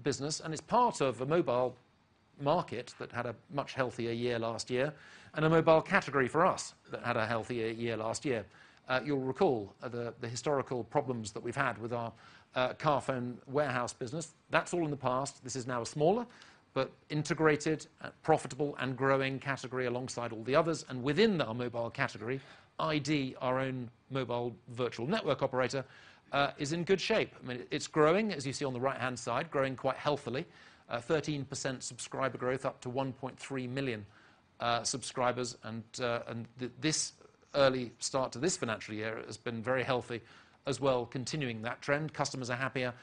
business. It's part of a mobile market that had a much healthier year last year, and a mobile category for us that had a healthier year last year. You'll recall the historical problems that we've had with our Carphone Warehouse business. That's all in the past. This is now a smaller but integrated, profitable, and growing category alongside all the others. Within our mobile category, iD, our own mobile virtual network operator, is in good shape. I mean, it's growing, as you see on the right-hand side, growing quite healthily, 13% subscriber growth, up to 1.3 million subscribers. This early start to this financial year has been very healthy as well, continuing that trend. Customers are happier.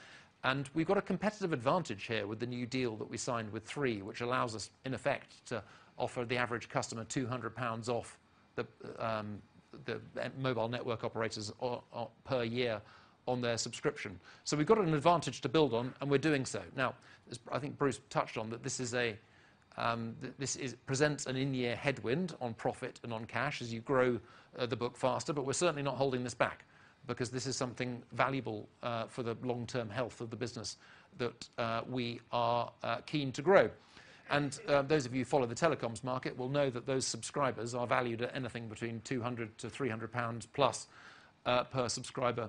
We've got a competitive advantage here with the new deal that we signed with Three, which allows us, in effect, to offer the average customer 200 pounds off the mobile network operators per year on their subscription. We've got an advantage to build on, and we're doing so. As I think Bruce touched on, this presents an in-year headwind on profit and on cash as you grow the book faster. We're certainly not holding this back because this is something valuable for the long-term health of the business that we are keen to grow. Those of you who follow the telecoms market will know that those subscribers are valued at anything between 200-300+ pounds per subscriber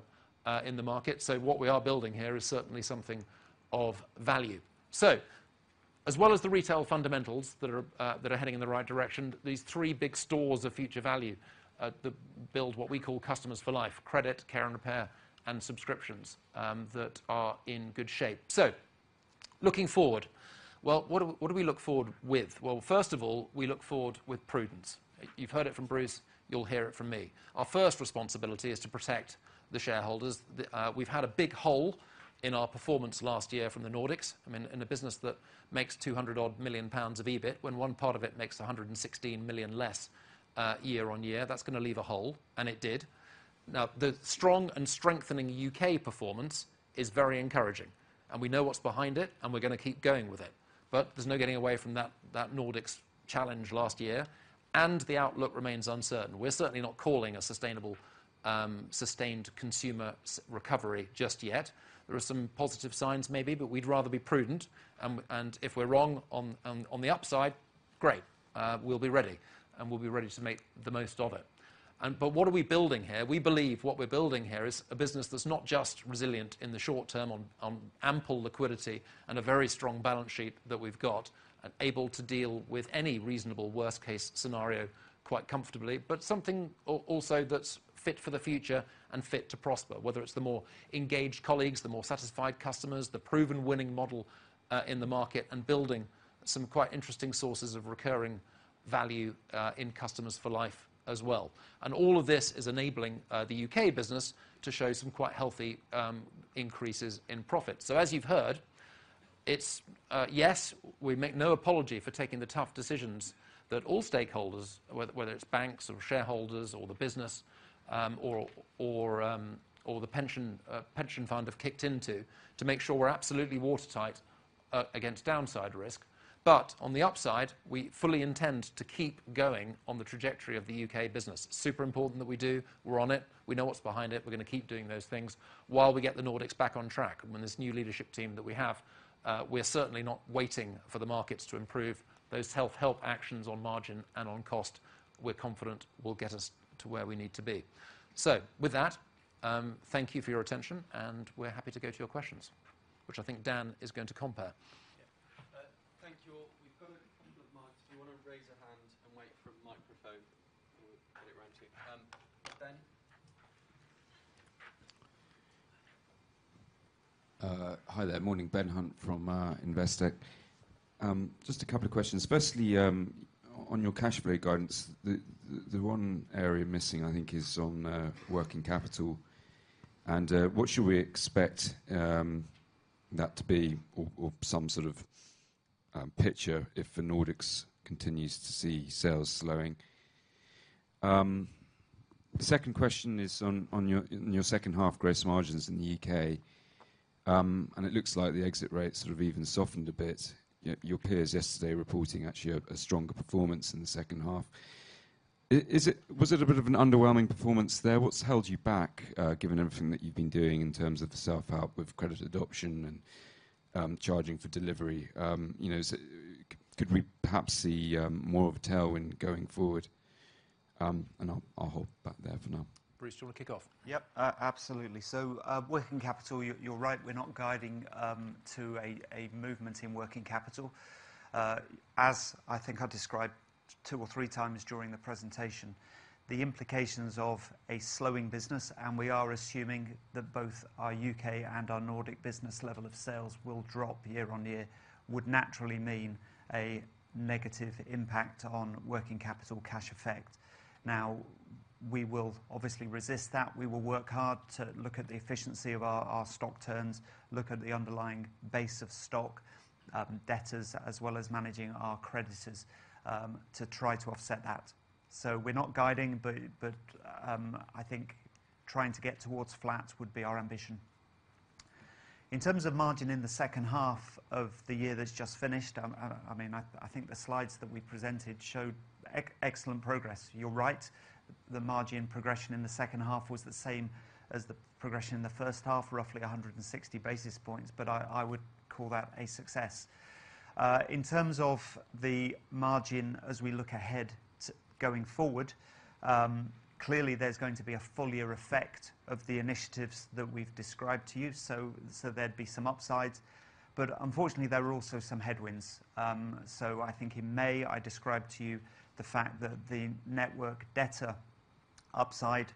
in the market. What we are building here is certainly something of value. As well as the retail fundamentals that are heading in the right direction, these three big stores of future value build what we call Customers for Life, Credit, Care and Repair, and Subscriptions that are in good shape. Looking forward, what do we look forward with? First of all, we look forward with prudence. You've heard it from Bruce. You'll hear it from me. Our first responsibility is to protect the shareholders. We've had a big hole in our performance last year from the Nordics. I mean, in a business that makes 200 odd million of EBIT, when one part of it makes 116 million less, year-over-year, that's gonna leave a hole, and it did. The strong and strengthening U.K. performance is very encouraging, and we know what's behind it, and we're gonna keep going with it. There's no getting away from that Nordics challenge last year, and the outlook remains uncertain. We're certainly not calling a sustainable, sustained consumer recovery just yet. There are some positive signs maybe, we'd rather be prudent. If we're wrong on the upside, great, we'll be ready, and we'll be ready to make the most of it. What are we building here? We believe what we're building here is a business that's not just resilient in the short term on ample liquidity and a very strong balance sheet that we've got, and able to deal with any reasonable worst-case scenario quite comfortably, but something also that's fit for the future and fit to prosper, whether it's the more engaged colleagues, the more satisfied customers, the proven winning model in the market and building some quite interesting sources of recurring value in customers for life as well. All of this is enabling the U.K. business to show some quite healthy increases in profit. As you've heard, it's, yes, we make no apology for taking the tough decisions that all stakeholders, whether it's banks or shareholders or the business, or the pension fund, have kicked into to make sure we're absolutely watertight against downside risk. On the upside, we fully intend to keep going on the trajectory of the U.K. business. Super important that we do. We're on it. We know what's behind it. We're gonna keep doing those things while we get the Nordics back on track. With this new leadership team that we have, we're certainly not waiting for the markets to improve. Those health actions on margin and on cost, we're confident will get us to where we need to be. With that, thank you for your attention, and we're happy to go to your questions, which I think Dan is going to chair. Yeah. Thank you all. We've got a couple of mics. If you wanna raise a hand and wait for a microphone, and we'll get it round to you. Ben? Hi there. Morning, Ben Hunt from Investec. Just a couple of questions. Firstly, on your cash flow guidance, the one area missing, I think, is on working capital, and what should we expect that to be or some sort of picture if the Nordics continues to see sales slowing? The second question is on your second half gross margins in the U.K., and it looks like the exit rate sort of even softened a bit. Yet your peers yesterday reporting actually a stronger performance in the second half. Was it a bit of an underwhelming performance there? What's held you back given everything that you've been doing in terms of the self-help with credit adoption and charging for delivery? you know, could we perhaps see more of a tailwind going forward? I'll hold back there for now. Bruce, do you want to kick off? Yep, absolutely. Working capital, you're right, we're not guiding to a movement in working capital. As I think I described two or three times during the presentation, the implications of a slowing business, and we are assuming that both our U.K. and our Nordic business level of sales will drop year on year, would naturally mean a negative impact on working capital cash effect. We will obviously resist that. We will work hard to look at the efficiency of our stock turns, look at the underlying base of stock, debtors, as well as managing our creditors to try to offset that. We're not guiding, but I think trying to get towards flat would be our ambition. In terms of margin in the second half of the year that's just finished, I mean, I think the slides that we presented showed excellent progress. You're right, the margin progression in the second half was the same as the progression in the first half, roughly 160 basis points, but I would call that a success. In terms of the margin as we look ahead going forward, clearly there's going to be a full year effect of the initiatives that we've described to you, so there'd be some upsides, but unfortunately, there are also some headwinds. I think in May, I described to you the fact that the network debtor upside,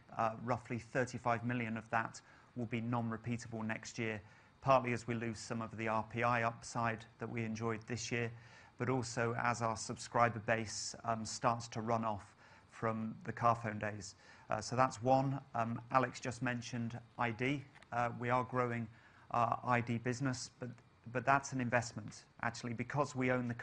roughly 35 million of that, will be non-repeatable next year, partly as we lose some of the RPI upside that we enjoyed this year, but also as our subscriber base starts to run off from the Carphone days. Alex just mentioned iD. We are growing our iD business, but that's an investment. Actually, because we own the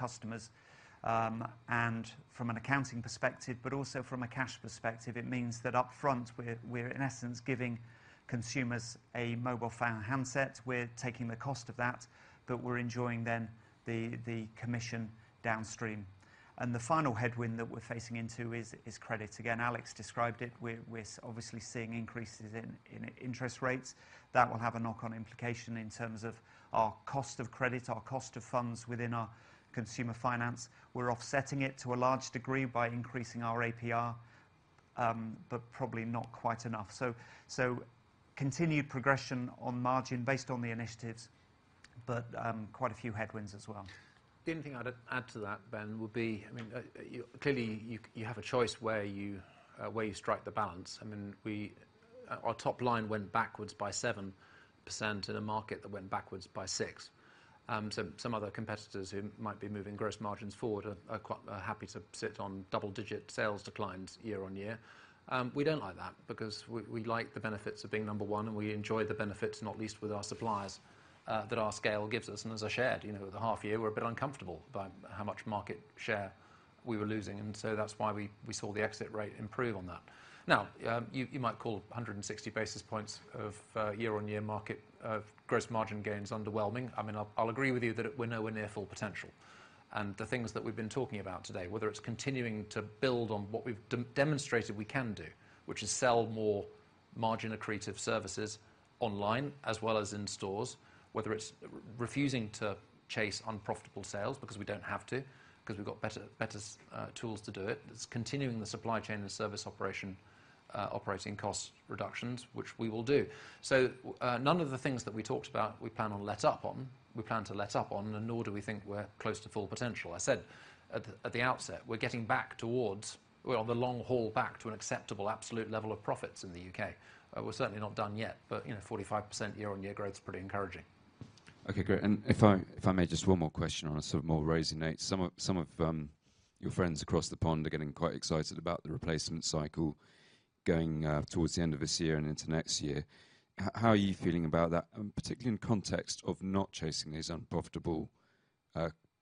customers, and from an accounting perspective, but also from a cash perspective, it means that upfront we're in essence giving consumers a mobile phone handset. We're taking the cost of that, but we're enjoying then the commission downstream. The final headwind that we're facing into is credit. Again, Alex described it. We're obviously seeing increases in interest rates. That will have a knock-on implication in terms of our cost of credit, our cost of funds within our consumer finance. We're offsetting it to a large degree by increasing our APR, but probably not quite enough. Continued progression on margin based on the initiatives, but quite a few headwinds as well. The only thing I'd add to that, Ben, would be, clearly, you have a choice where you strike the balance. Our top line went backwards by 7% in a market that went backwards by 6%. Some other competitors who might be moving gross margins forward are quite happy to sit on double-digit sales declines year-over-year. We don't like that because we like the benefits of being number one, and we enjoy the benefits, not least with our suppliers, that our scale gives us. As I shared, you know, the half year, we're a bit uncomfortable by how much market share we were losing, that's why we saw the exit rate improve on that. You might call 160 basis points of year-on-year market of gross margin gains underwhelming. I mean, I'll agree with you that it we're nowhere near full potential. The things that we've been talking about today, whether it's continuing to build on what we've demonstrated we can do, which is sell more margin accretive services online as well as in stores, whether it's refusing to chase unprofitable sales because we don't have to, 'cause we've got better tools to do it. It's continuing the supply chain and service operation operating cost reductions, which we will do. None of the things that we talked about, we plan on let up on, we plan to let up on, and nor do we think we're close to full potential. I said at the outset, we're on the long haul back to an acceptable absolute level of profits in the U.K.. We're certainly not done yet, but, you know, 45% year-on-year growth is pretty encouraging. Okay, great. If I may, just one more question on a sort of more rosy note. Some of your friends across the pond are getting quite excited about the replacement cycle going towards the end of this year and into next year. How are you feeling about that, and particularly in context of not chasing these unprofitable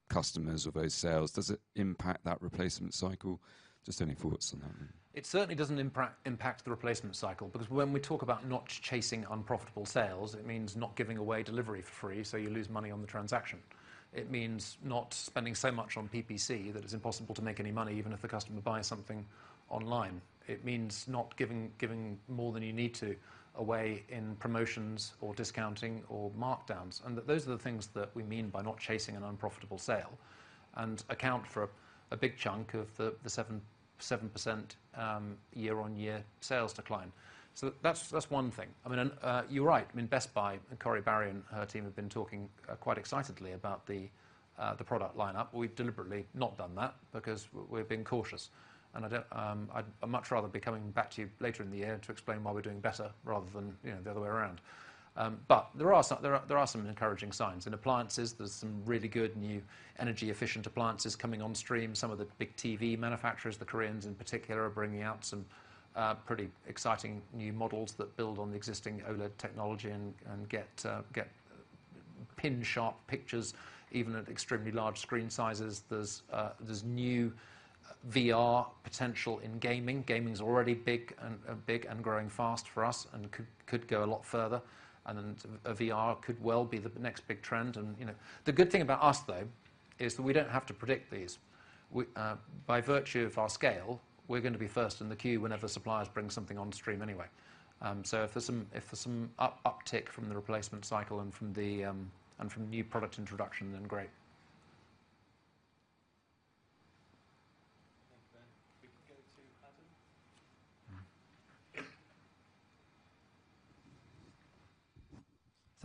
customers or those sales, does it impact that replacement cycle? Just any thoughts on that. It certainly doesn't impact the replacement cycle, because when we talk about not chasing unprofitable sales, it means not giving away delivery for free, so you lose money on the transaction. It means not spending so much on PPC that it's impossible to make any money, even if the customer buys something online. It means not giving more than you need to away in promotions or discounting or markdowns. Those are the things that we mean by not chasing an unprofitable sale and account for a big chunk of the 7% year-on-year sales decline. That's one thing. I mean, you're right, I mean, Best Buy, Corie Barry and her team have been talking quite excitedly about the product lineup. We've deliberately not done that because we're being cautious, and I don't, I'd much rather be coming back to you later in the year to explain why we're doing better rather than, you know, the other way around. There are some encouraging signs. In appliances, there's some really good new energy-efficient appliances coming on stream. Some of the big TV manufacturers, the Koreans in particular, are bringing out some pretty exciting new models that build on the existing OLED technology and get pin-sharp pictures, even at extremely large screen sizes. There's new VR potential in gaming. Gaming's already big and growing fast for us and could go a lot further. Then VR could well be the next big trend. You know, the good thing about us, though, is that we don't have to predict these. We, by virtue of our scale, we're going to be first in the queue whenever suppliers bring something on stream anyway. If there's some, if there's some uptick from the replacement cycle and from the, and from new product introduction, then great.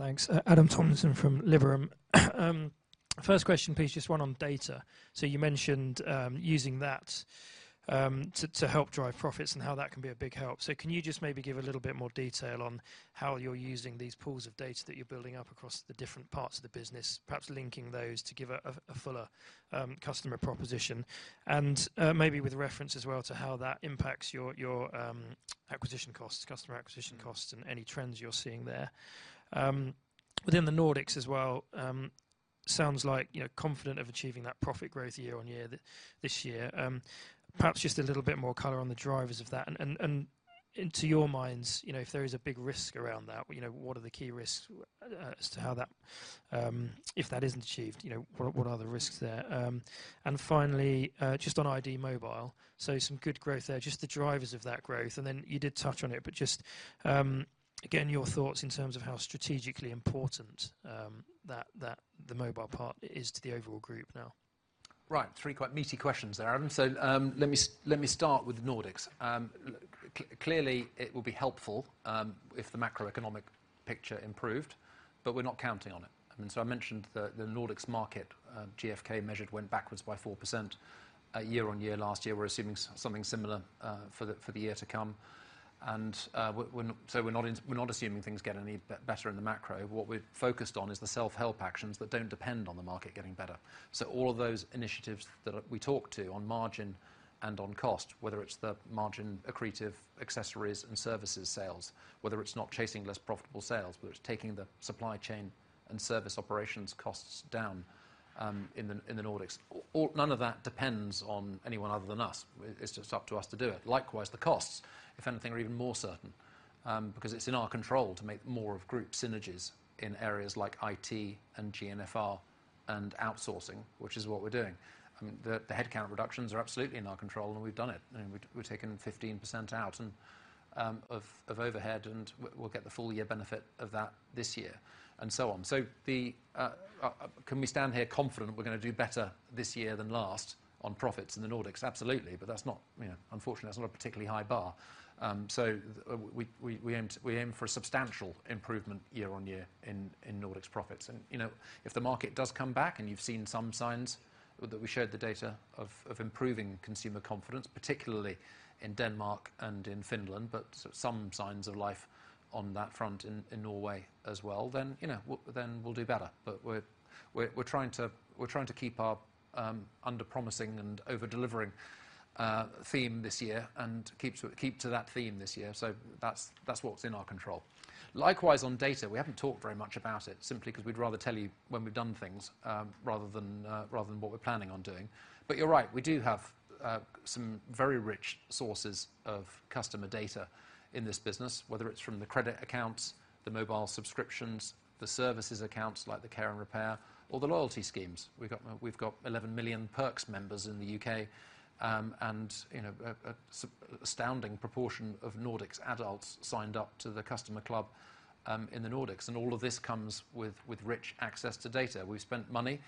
Thanks, Ben. We can go to Adam. Thanks. Adam Tomlinson from Liberum. First question, please, just one on data. You mentioned using that to help drive profits and how that can be a big help. Can you just maybe give a little bit more detail on how you're using these pools of data that you're building up across the different parts of the business, perhaps linking those to give a fuller customer proposition? Maybe with reference as well to how that impacts your acquisition costs, customer acquisition costs and any trends you're seeing there. Within the Nordics as well, sounds like, you know, confident of achieving that profit growth year-on-year this year. Perhaps just a little bit more color on the drivers of that, and to your minds, you know, if there is a big risk around that, you know, what are the key risks as to how that, if that isn't achieved, you know, what are the risks there? Finally, just on iD Mobile, some good growth there, just the drivers of that growth, and then you did touch on it, but just again, your thoughts in terms of how strategically important that the mobile part is to the overall group now. Right. Three quite meaty questions there, Adam. Let me start with the Nordics. Clearly, it will be helpful if the macroeconomic picture improved, but we're not counting on it. I mean, I mentioned the Nordics market, GfK measured, went backwards by 4% year-on-year last year. We're assuming something similar for the year to come. We're not in, we're not assuming things get any better in the macro. What we're focused on is the self-help actions that don't depend on the market getting better. All of those initiatives that we talked to on margin and on cost, whether it's the margin accretive accessories and services sales, whether it's not chasing less profitable sales, whether it's taking the supply chain and service operations costs down in the Nordics. None of that depends on anyone other than us. It's just up to us to do it. Likewise, the costs, if anything, are even more certain because it's in our control to make more of group synergies in areas like IT and GNFR and outsourcing, which is what we're doing. I mean, the headcount reductions are absolutely in our control, and we've done it, and we've taken 15% out and of overhead, and we'll get the full year benefit of that this year, and so on. Can we stand here confident we're gonna do better this year than last on profits in the Nordics? Absolutely. That's not, you know, unfortunately, that's not a particularly high bar. We aim for a substantial improvement year on year in Nordics profits. You know, if the market does come back and you've seen some signs that we showed the data of improving consumer confidence, particularly in Denmark and in Finland, but some signs of life on that front in Norway as well, then, you know, then we'll do better. We're trying to keep our under-promising and over-delivering theme this year and keep to that theme this year. That's what's in our control. Likewise, on data, we haven't talked very much about it simply because we'd rather tell you when we've done things, rather than, rather than what we're planning on doing. You're right, we do have some very rich sources of customer data in this business, whether it's from the credit accounts, the mobile subscriptions, the services accounts, like the care and repair, or the loyalty schemes. We've got 11 million Perks members in the U.K., and, you know, an astounding proportion of Nordics adults signed up to the customer club in the Nordics, and all of this comes with rich access to data. We've spent money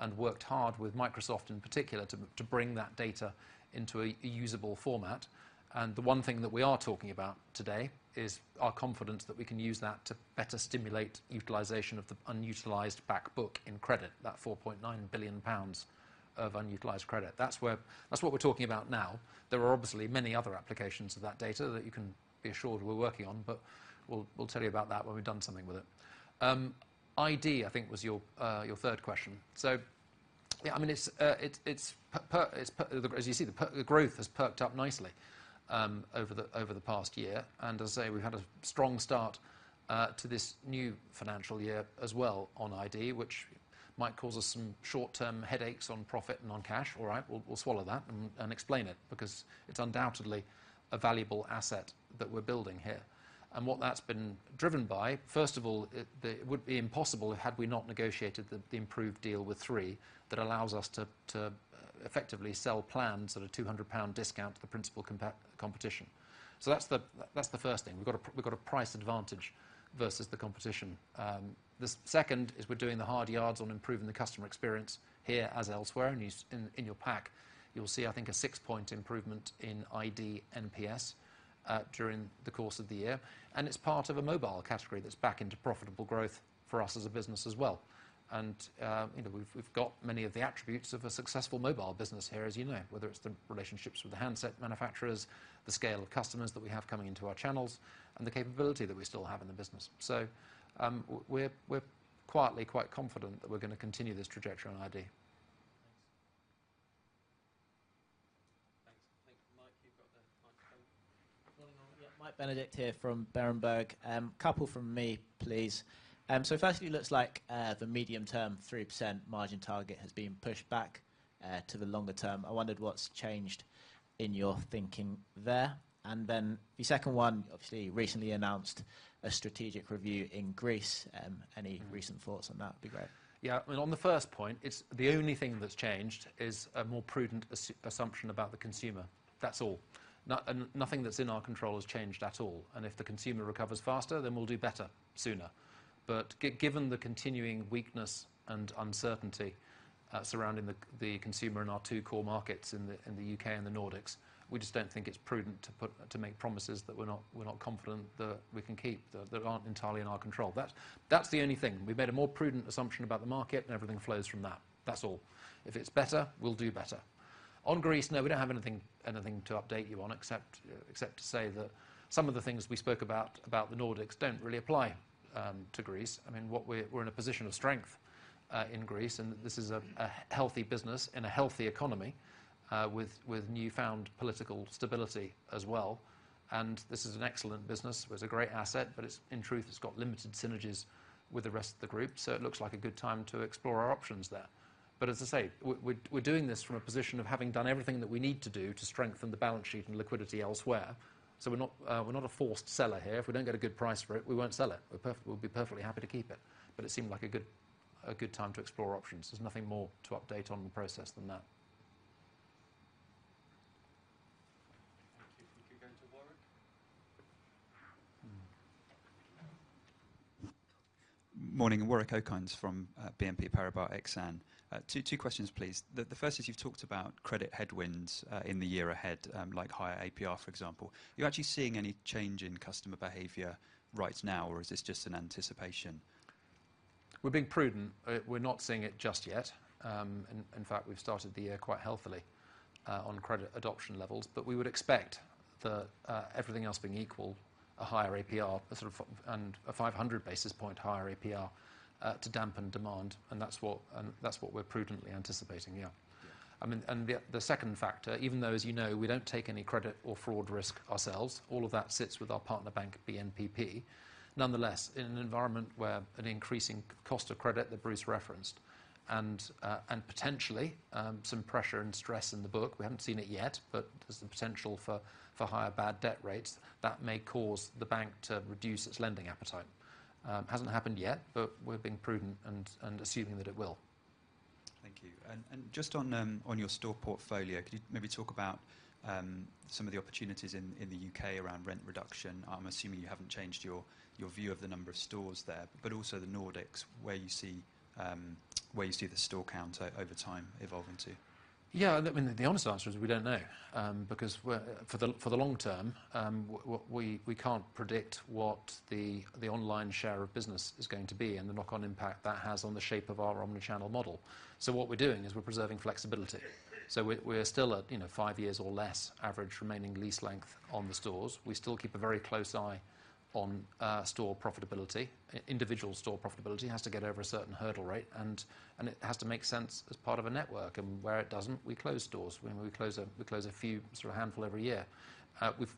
and worked hard with Microsoft, in particular, to bring that data into a usable format. The one thing that we are talking about today is our confidence that we can use that to better stimulate utilization of the unutilized back book in credit, that 4.9 billion pounds of unutilized credit. That's what we're talking about now. There are obviously many other applications of that data that you can be assured we're working on, but we'll tell you about that when we've done something with it. iD, I think was your third question. Yeah, I mean, as you see, the growth has perked up nicely over the past year, and as I say, we've had a strong start to this new financial year as well on iD, which might cause us some short-term headaches on profit and on cash. All right, we'll swallow that and explain it because it's undoubtedly a valuable asset that we're building here. What that's been driven by, first of all, it would be impossible had we not negotiated the improved deal with Three that allows us to effectively sell plans at a 200 pound discount to the principal competition. That's the first thing. We've got a price advantage versus the competition. The second is we're doing the hard yards on improving the customer experience here as elsewhere. In your pack, you'll see, I think, a six-point improvement in iD NPS during the course of the year, and it's part of a mobile category that's back into profitable growth for us as a business as well. You know, we've got many of the attributes of a successful mobile business here, as you know, whether it's the relationships with the handset manufacturers, the scale of customers that we have coming into our channels, and the capability that we still have in the business. We're quietly quite confident that we're gonna continue this trajectory on iD. Thanks. Thank you, Mike. You've got the microphone. Morning, all. Yeah, Michael Benedict here from Berenberg. Couple from me, please. Firstly, it looks like the medium-term 3% margin target has been pushed back to the longer term. I wondered what's changed in your thinking there. The second one, obviously, recently announced a strategic review in Greece. Any recent thoughts on that would be great. Yeah. Well, on the first point, the only thing that's changed is a more prudent assumption about the consumer. That's all. Nothing that's in our control has changed at all, if the consumer recovers faster, then we'll do better sooner. Given the continuing weakness and uncertainty surrounding the consumer in our two core markets, in the U.K. and the Nordics, we just don't think it's prudent to make promises that we're not, we're not confident that we can keep, that aren't entirely in our control. That's the only thing. We've made a more prudent assumption about the market, everything flows from that. That's all. If it's better, we'll do better. On Greece, no, we don't have anything to update you on, except to say that some of the things we spoke about the Nordics don't really apply to Greece. I mean, we're in a position of strength in Greece, this is a healthy business and a healthy economy with newfound political stability as well. This is an excellent business with a great asset, but it's, in truth, it's got limited synergies with the rest of the group. It looks like a good time to explore our options there. As I say, we're doing this from a position of having done everything that we need to do to strengthen the balance sheet and liquidity elsewhere. We're not a forced seller here. If we don't get a good price for it, we won't sell it. We'll be perfectly happy to keep it. It seemed like a good time to explore options. There's nothing more to update on the process than that. I think you go to Warwick. Morning. Warwick Okines from BNP Paribas Exane. Two questions, please. The first is, you've talked about credit headwinds in the year ahead, like higher APR, for example. Are you actually seeing any change in customer behavior right now, or is this just an anticipation? We're being prudent. We're not seeing it just yet. In fact, we've started the year quite healthily on credit adoption levels. We would expect everything else being equal, a higher APR, and a 500 basis point higher APR to dampen demand, and that's what we're prudently anticipating, yeah. Yeah. I mean, the second factor, even though, as you know, we don't take any credit or fraud risk ourselves, all of that sits with our partner bank, BNPP. Nonetheless, in an environment where an increasing cost of credit, that Bruce referenced, and potentially, some pressure and stress in the book, we haven't seen it yet, but there's the potential for higher bad debt rates, that may cause the bank to reduce its lending appetite. Hasn't happened yet, but we're being prudent and assuming that it will. Thank you. Just on your store portfolio, could you maybe talk about some of the opportunities in the U.K. around rent reduction? I'm assuming you haven't changed your view of the number of stores there, also the Nordics, where you see the store count over time evolving to? Yeah, I mean, the honest answer is we don't know, because for the, for the long term, we can't predict what the online share of business is going to be and the knock-on impact that has on the shape of our omni-channel model. What we're doing is we're preserving flexibility. We're still at, you know, five years or less average remaining lease length on the stores. We still keep a very close eye on store profitability. Individual store profitability has to get over a certain hurdle rate, and it has to make sense as part of a network, and where it doesn't, we close stores. We close a few, sort of a handful every year.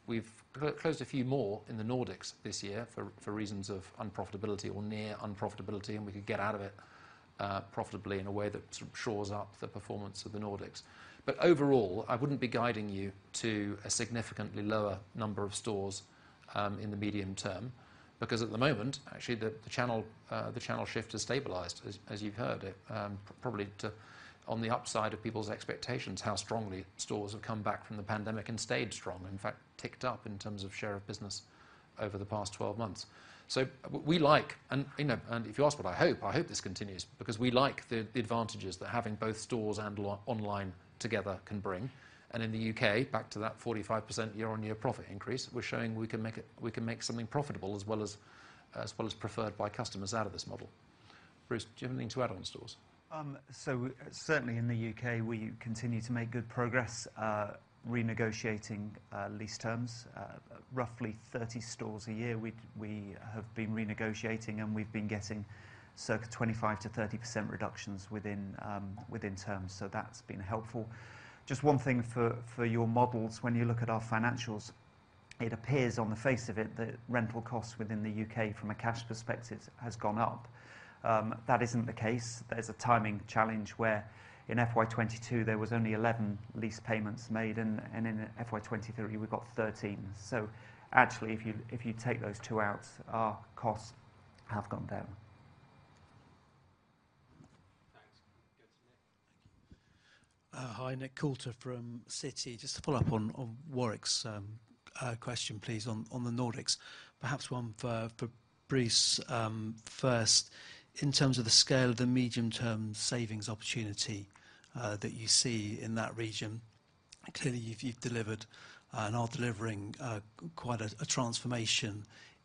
We've closed a few more in the Nordics this year for reasons of unprofitability or near unprofitability, and we could get out of it profitably in a way that sort of shores up the performance of the Nordics. Overall, I wouldn't be guiding you to a significantly lower number of stores in the medium term, because at the moment, actually, the channel shift has stabilized, as you've heard. Probably to on the upside of people's expectations, how strongly stores have come back from the pandemic and stayed strong, in fact, ticked up in terms of share of business over the past 12 months. We like, and, you know, and if you ask what I hope, I hope this continues because we like the advantages that having both stores and online together can bring. In the U.K., back to that 45% year-on-year profit increase, we're showing we can make something profitable as well as preferred by customers out of this model. Bruce, do you have anything to add on stores? Certainly in the U.K., we continue to make good progress, renegotiating lease terms. Roughly 30 stores a year, we have been renegotiating, and we've been getting circa 25%-30% reductions within terms, so that's been helpful. Just one thing for your models. When you look at our financials, it appears, on the face of it, that rental costs within the U.K., from a cash perspective, has gone up. That isn't the case. There's a timing challenge where in FY 2022, there was only 11 lease payments made, and in FY 2023, we've got 13. Actually, if you take those two out, our costs have gone down. Thanks. Go to Nick. Thank you. Hi, Nick Coulter from Citi. Just to follow up on Warwick's question, please, on the Nordics. Perhaps one for Bruce first. In terms of the scale of the medium-term savings opportunity that you see in that region, clearly, you've delivered and are delivering quite a transformation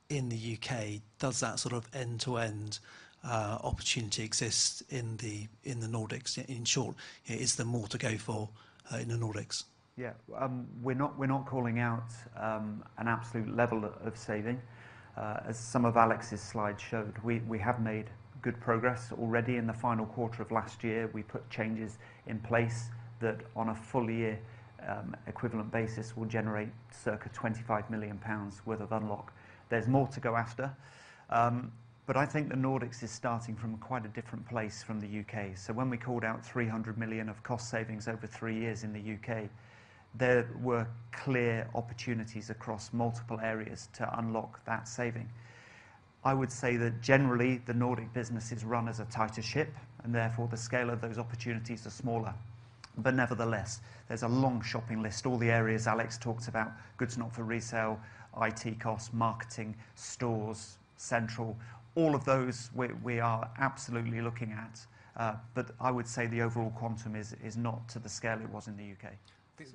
in the U.K. Does that sort of end-to-end opportunity exist in the Nordics? In short, is there more to go for in the Nordics? We're not calling out an absolute level of saving. As some of Alex's slides showed, we have made good progress already. In the final quarter of last year, we put changes in place that, on a full year, equivalent basis, will generate circa 25 million pounds worth of unlock. There's more to go after, I think the Nordics is starting from quite a different place from the U.K.. When we called out 300 million of cost savings over three years in the U.K., there were clear opportunities across multiple areas to unlock that saving. I would say that generally, the Nordic business is run as a tighter ship, therefore, the scale of those opportunities are smaller. Nevertheless, there's a long shopping list. All the areas Alex talked about, goods not for resale, IT costs, marketing, stores, central, all of those we are absolutely looking at. I would say the overall quantum is not to the scale it was in the U.K..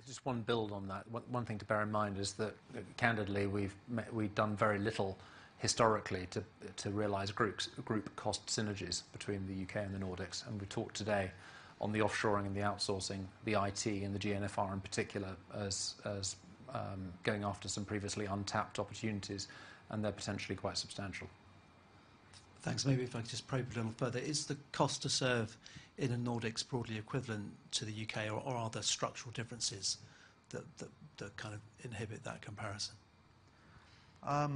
Just one build on that. One thing to bear in mind is that, candidly, we've done very little historically to realize groups, group cost synergies between the U.K. and the Nordics. We talked today on the offshoring and the outsourcing, the IT and the GNFR in particular, as going after some previously untapped opportunities. They're potentially quite substantial. Thanks. Maybe if I could just probe a little further. Is the cost to serve in the Nordics broadly equivalent to the U.K., or are there structural differences that kind of inhibit that comparison? I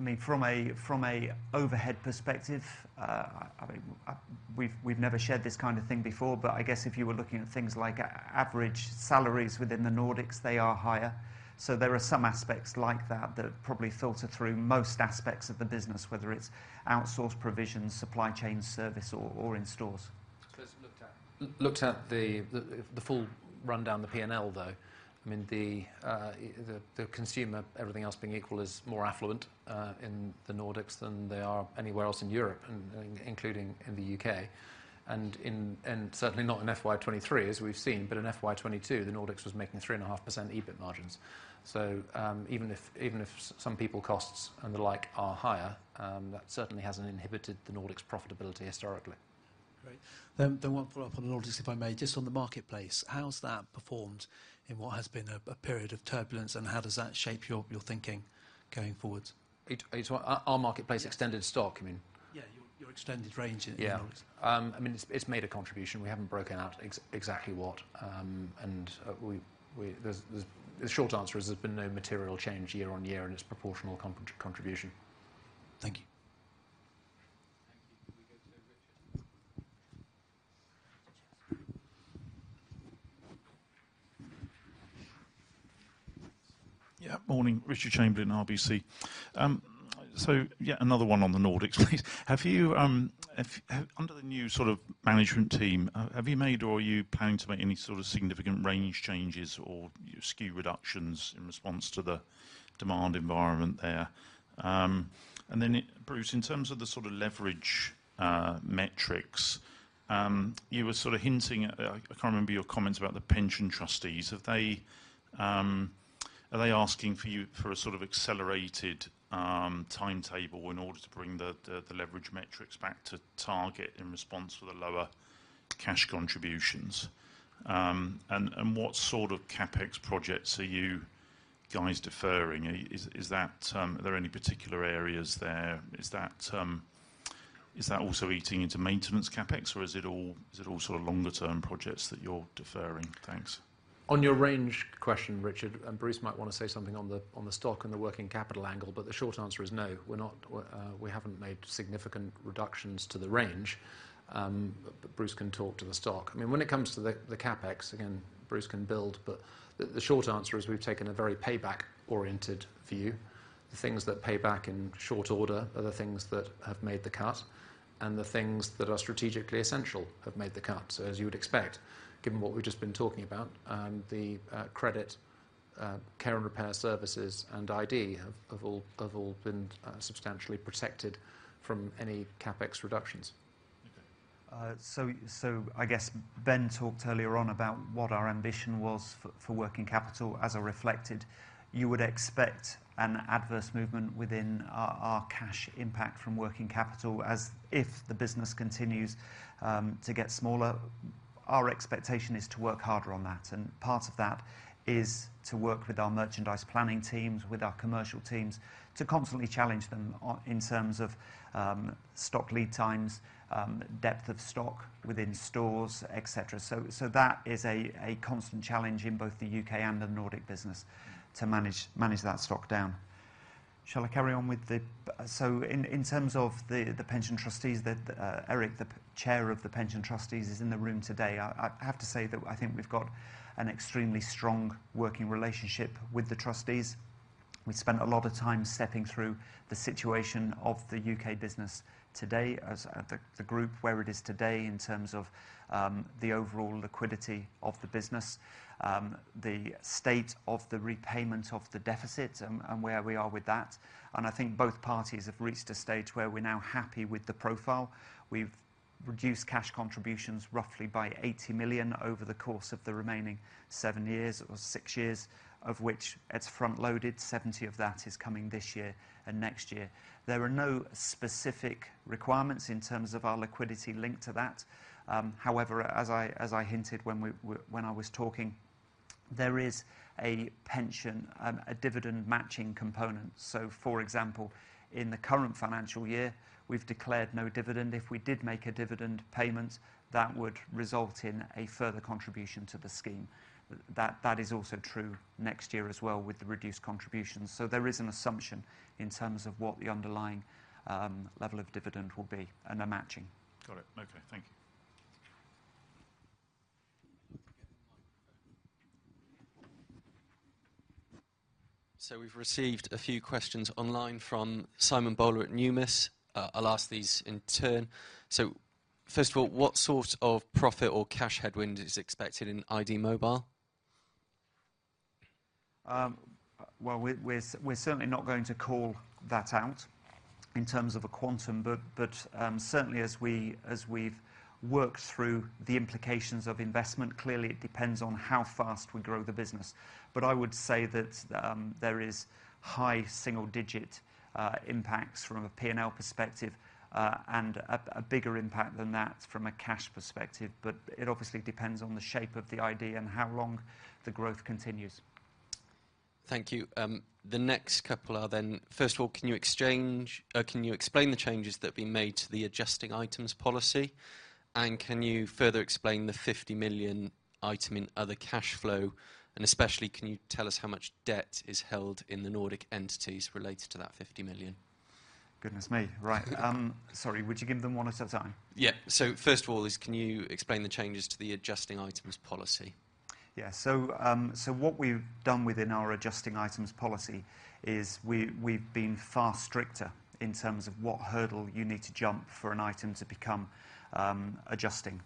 mean, from a, from a overhead perspective, I mean, we've never shared this kind of thing before, but I guess if you were looking at things like average salaries within the Nordics, they are higher. There are some aspects like that probably filter through most aspects of the business, whether it's outsourced provisions, supply chain service, or in stores. Let's look at the full rundown, the P&L, though. I mean, the consumer, everything else being equal, is more affluent in the Nordics than they are anywhere else in Europe, including in the U.K., and certainly not in FY 2023, as we've seen, but in FY 2022, the Nordics was making 3.5% EBIT margins. Even if some people costs and the like are higher, that certainly hasn't inhibited the Nordics profitability historically. Great. One follow-up on the Nordics, if I may. Just on the marketplace, how has that performed in what has been a period of turbulence, and how does that shape your thinking going forward? Our marketplace-extended stock, you mean? Yeah, your extended range in the Nordics. Yeah. I mean, it's made a contribution. We haven't broken out exactly what, and, we. The short answer is there's been no material change year on year in its proportional contribution. Thank you. Thank you. Can we go to Richard? Morning. Richard Chamberlain, RBC. Yet another one on the Nordics, please. Have you under the new sort of management team, have you made or are you planning to make any sort of significant range changes or SKU reductions in response to the demand environment there? Then, Bruce, in terms of the sort of leverage metrics. You were sort of hinting at, I can't remember your comments about the pension trustees. Have they, are they asking for you, for a sort of accelerated timetable in order to bring the leverage metrics back to target in response to the lower cash contributions? And what sort of CapEx projects are you guys deferring? Is that, are there any particular areas there? Is that also eating into maintenance CapEx, or is it all sort of longer term projects that you're deferring? Thanks. On your range question, Richard, and Bruce might wanna say something on the stock and the working capital angle, but the short answer is no, we're not. We haven't made significant reductions to the range. Bruce can talk to the stock. I mean, when it comes to the CapEx, again, Bruce can build, but the short answer is we've taken a very payback-oriented view. The things that pay back in short order are the things that have made the cut, and the things that are strategically essential have made the cut. As you would expect, given what we've just been talking about, the credit, care and repair services and iD have all been substantially protected from any CapEx reductions. Okay. I guess Ben talked earlier on about what our ambition was for working capital. As reflected, you would expect an adverse movement within our cash impact from working capital as the business continues to get smaller. Our expectation is to work harder on that, and part of that is to work with our merchandise planning teams, with our commercial teams, to constantly challenge them on, in terms of stock lead times, depth of stock within stores, et cetera. That is a constant challenge in both the U.K. and the Nordic business to manage that stock down. Shall I carry on with the... In terms of the pension trustees, Eric, the Chair of the pension trustees, is in the room today. I have to say that I think we've got an extremely strong working relationship with the trustees. We've spent a lot of time stepping through the situation of the U.K. business today as the group, where it is today in terms of the overall liquidity of the business, the state of the repayment of the deficit and where we are with that. I think both parties have reached a stage where we're now happy with the profile. We've reduced cash contributions roughly by 80 million over the course of the remaining seven years or six years, of which it's front-loaded. 70 of that is coming this year and next year. There are no specific requirements in terms of our liquidity linked to that. However, as I hinted when I was talking, there is a pension, a dividend matching component. For example, in the current financial year, we've declared no dividend. If we did make a dividend payment, that would result in a further contribution to the scheme. That is also true next year as well with the reduced contributions. There is an assumption in terms of what the underlying level of dividend will be and a matching. Got it. Okay, thank you. We've received a few questions online from Simon Bowler at Numis. I'll ask these in turn. First of all, what sort of profit or cash headwind is expected in iD Mobile? Well, we're certainly not going to call that out in terms of a quantum, but certainly as we, as we've worked through the implications of investment, clearly it depends on how fast we grow the business. I would say that there is high single-digit impacts from a P&L perspective, and a bigger impact than that from a cash perspective. It obviously depends on the shape of the iD and how long the growth continues. Thank you. The next couple are then, first of all, can you explain the changes that have been made to the adjusting items policy? Can you further explain the 50 million item in other cash flow, and especially, can you tell us how much debt is held in the Nordic entities related to that 50 million? Goodness me! Right. Sorry, would you give them one at a time? Yeah. First of all, is can you explain the changes to the adjusting items policy? What we've done within our adjusting items policy is we've been far stricter in terms of what hurdle you need to jump for an item to become adjusting.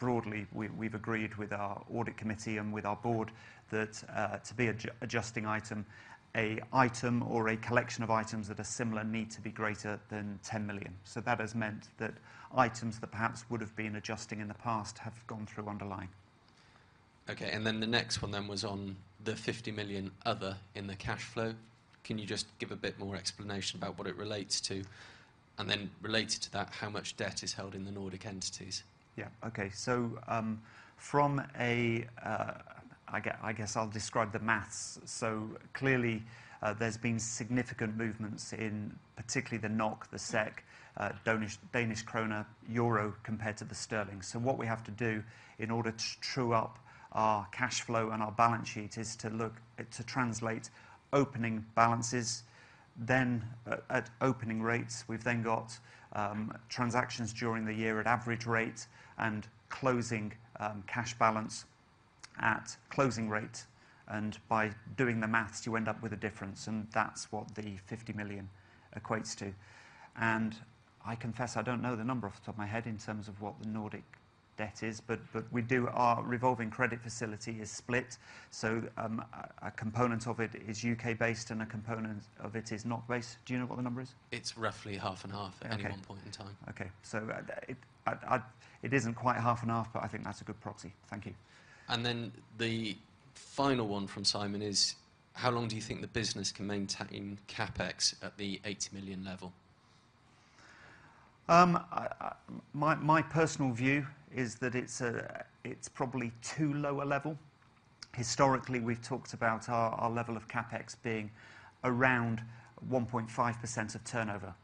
Broadly, we've agreed with our audit committee and with our board that to be adjusting item, a item or a collection of items that are similar need to be greater than 10 million. That has meant that items that perhaps would have been adjusting in the past have gone through underlying. Okay, the next one then was on the 50 million other in the cash flow. Can you just give a bit more explanation about what it relates to? Related to that, how much debt is held in the Nordic entities? Yeah. Okay. I guess I'll describe the maths. Clearly, there's been significant movements in particularly the NOK, the SEK, Danish kroner, euro compared to the sterling. What we have to do in order to true up our cash flow and our balance sheet is to look to translate opening balances, then at opening rates. We've then got transactions during the year at average rate and closing cash balance at closing rate, and by doing the maths, you end up with a difference, and that's what the 50 million equates to. I confess, I don't know the number off the top of my head in terms of what the Nordic debt is, but we do. Our revolving credit facility is split, a component of it is U.K.-based, and a component of it is not based. Do you know what the number is? It's roughly half and half. Okay. at any one point in time. It isn't quite half and half, but I think that's a good proxy. Thank you. The final one from Simon is: How long do you think the business can maintain CapEx at the 80 million level? My personal view is that it's probably too low a level. Historically, we've talked about our level of CapEx being around 1.5% of turnover.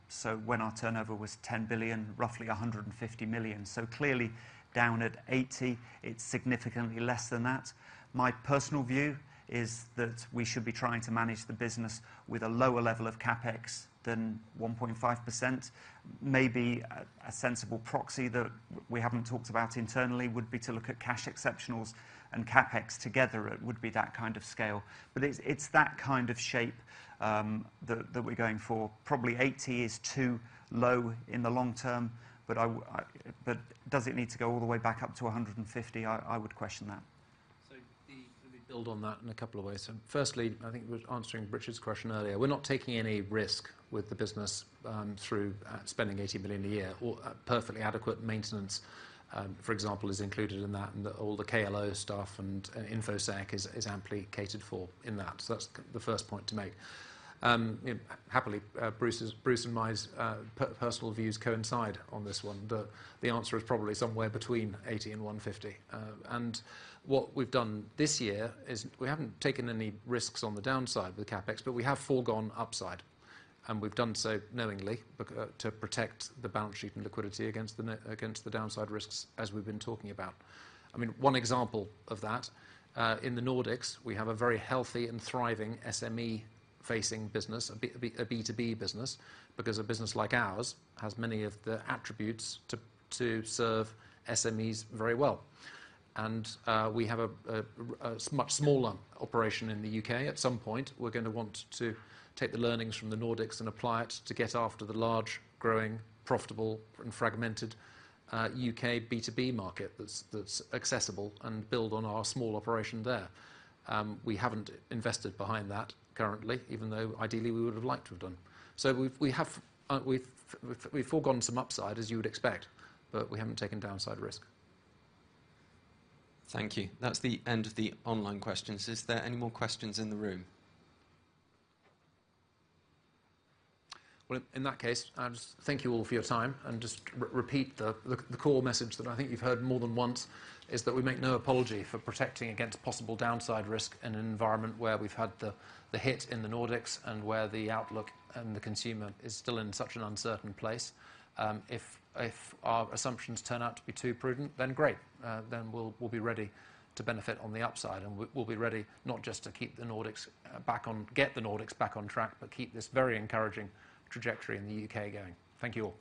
When our turnover was 10 billion, roughly 150 million. Clearly, down at 80 million, it's significantly less than that. My personal view is that we should be trying to manage the business with a lower level of CapEx than 1.5%. Maybe a sensible proxy that we haven't talked about internally would be to look at cash exceptionals and CapEx together. It would be that kind of scale. It's that kind of shape that we're going for. Probably 80 million is too low in the long term, I. Does it need to go all the way back up to 150? I would question that. Let me build on that in a couple of ways. Firstly, I think with answering Richard's question earlier, we're not taking any risk with the business through spending 80 million a year. Perfectly adequate maintenance, for example, is included in that, and all the KLO stuff and InfoSec is amply catered for in that. That's the first point to make. You know, happily, Bruce's, Bruce and my personal views coincide on this one. The answer is probably somewhere between 80 and 150. What we've done this year is we haven't taken any risks on the downside with CapEx, but we have foregone upside, and we've done so knowingly to protect the balance sheet and liquidity against the downside risks, as we've been talking about. I mean, one example of that in the Nordics, we have a very healthy and thriving SME-facing business, a B2B business, because a business like ours has many of the attributes to serve SMEs very well. We have a much smaller operation in the U.K. At some point, we're gonna want to take the learnings from the Nordics and apply it to get after the large, growing, profitable, and fragmented U.K. B2B market that's accessible and build on our small operation there. We haven't invested behind that currently, even though ideally, we would have liked to have done. We have foregone some upside, as you would expect, but we haven't taken downside risk. Thank you. That's the end of the online questions. Is there any more questions in the room? Well, in that case, I'll just thank you all for your time and just repeat the core message that I think you've heard more than once, is that we make no apology for protecting against possible downside risk in an environment where we've had the hit in the Nordics and where the outlook and the consumer is still in such an uncertain place. If our assumptions turn out to be too prudent, then great. Then we'll be ready to benefit on the upside, and we'll be ready not just to keep the Nordics, get the Nordics back on track, but keep this very encouraging trajectory in the U.K. going. Thank you all.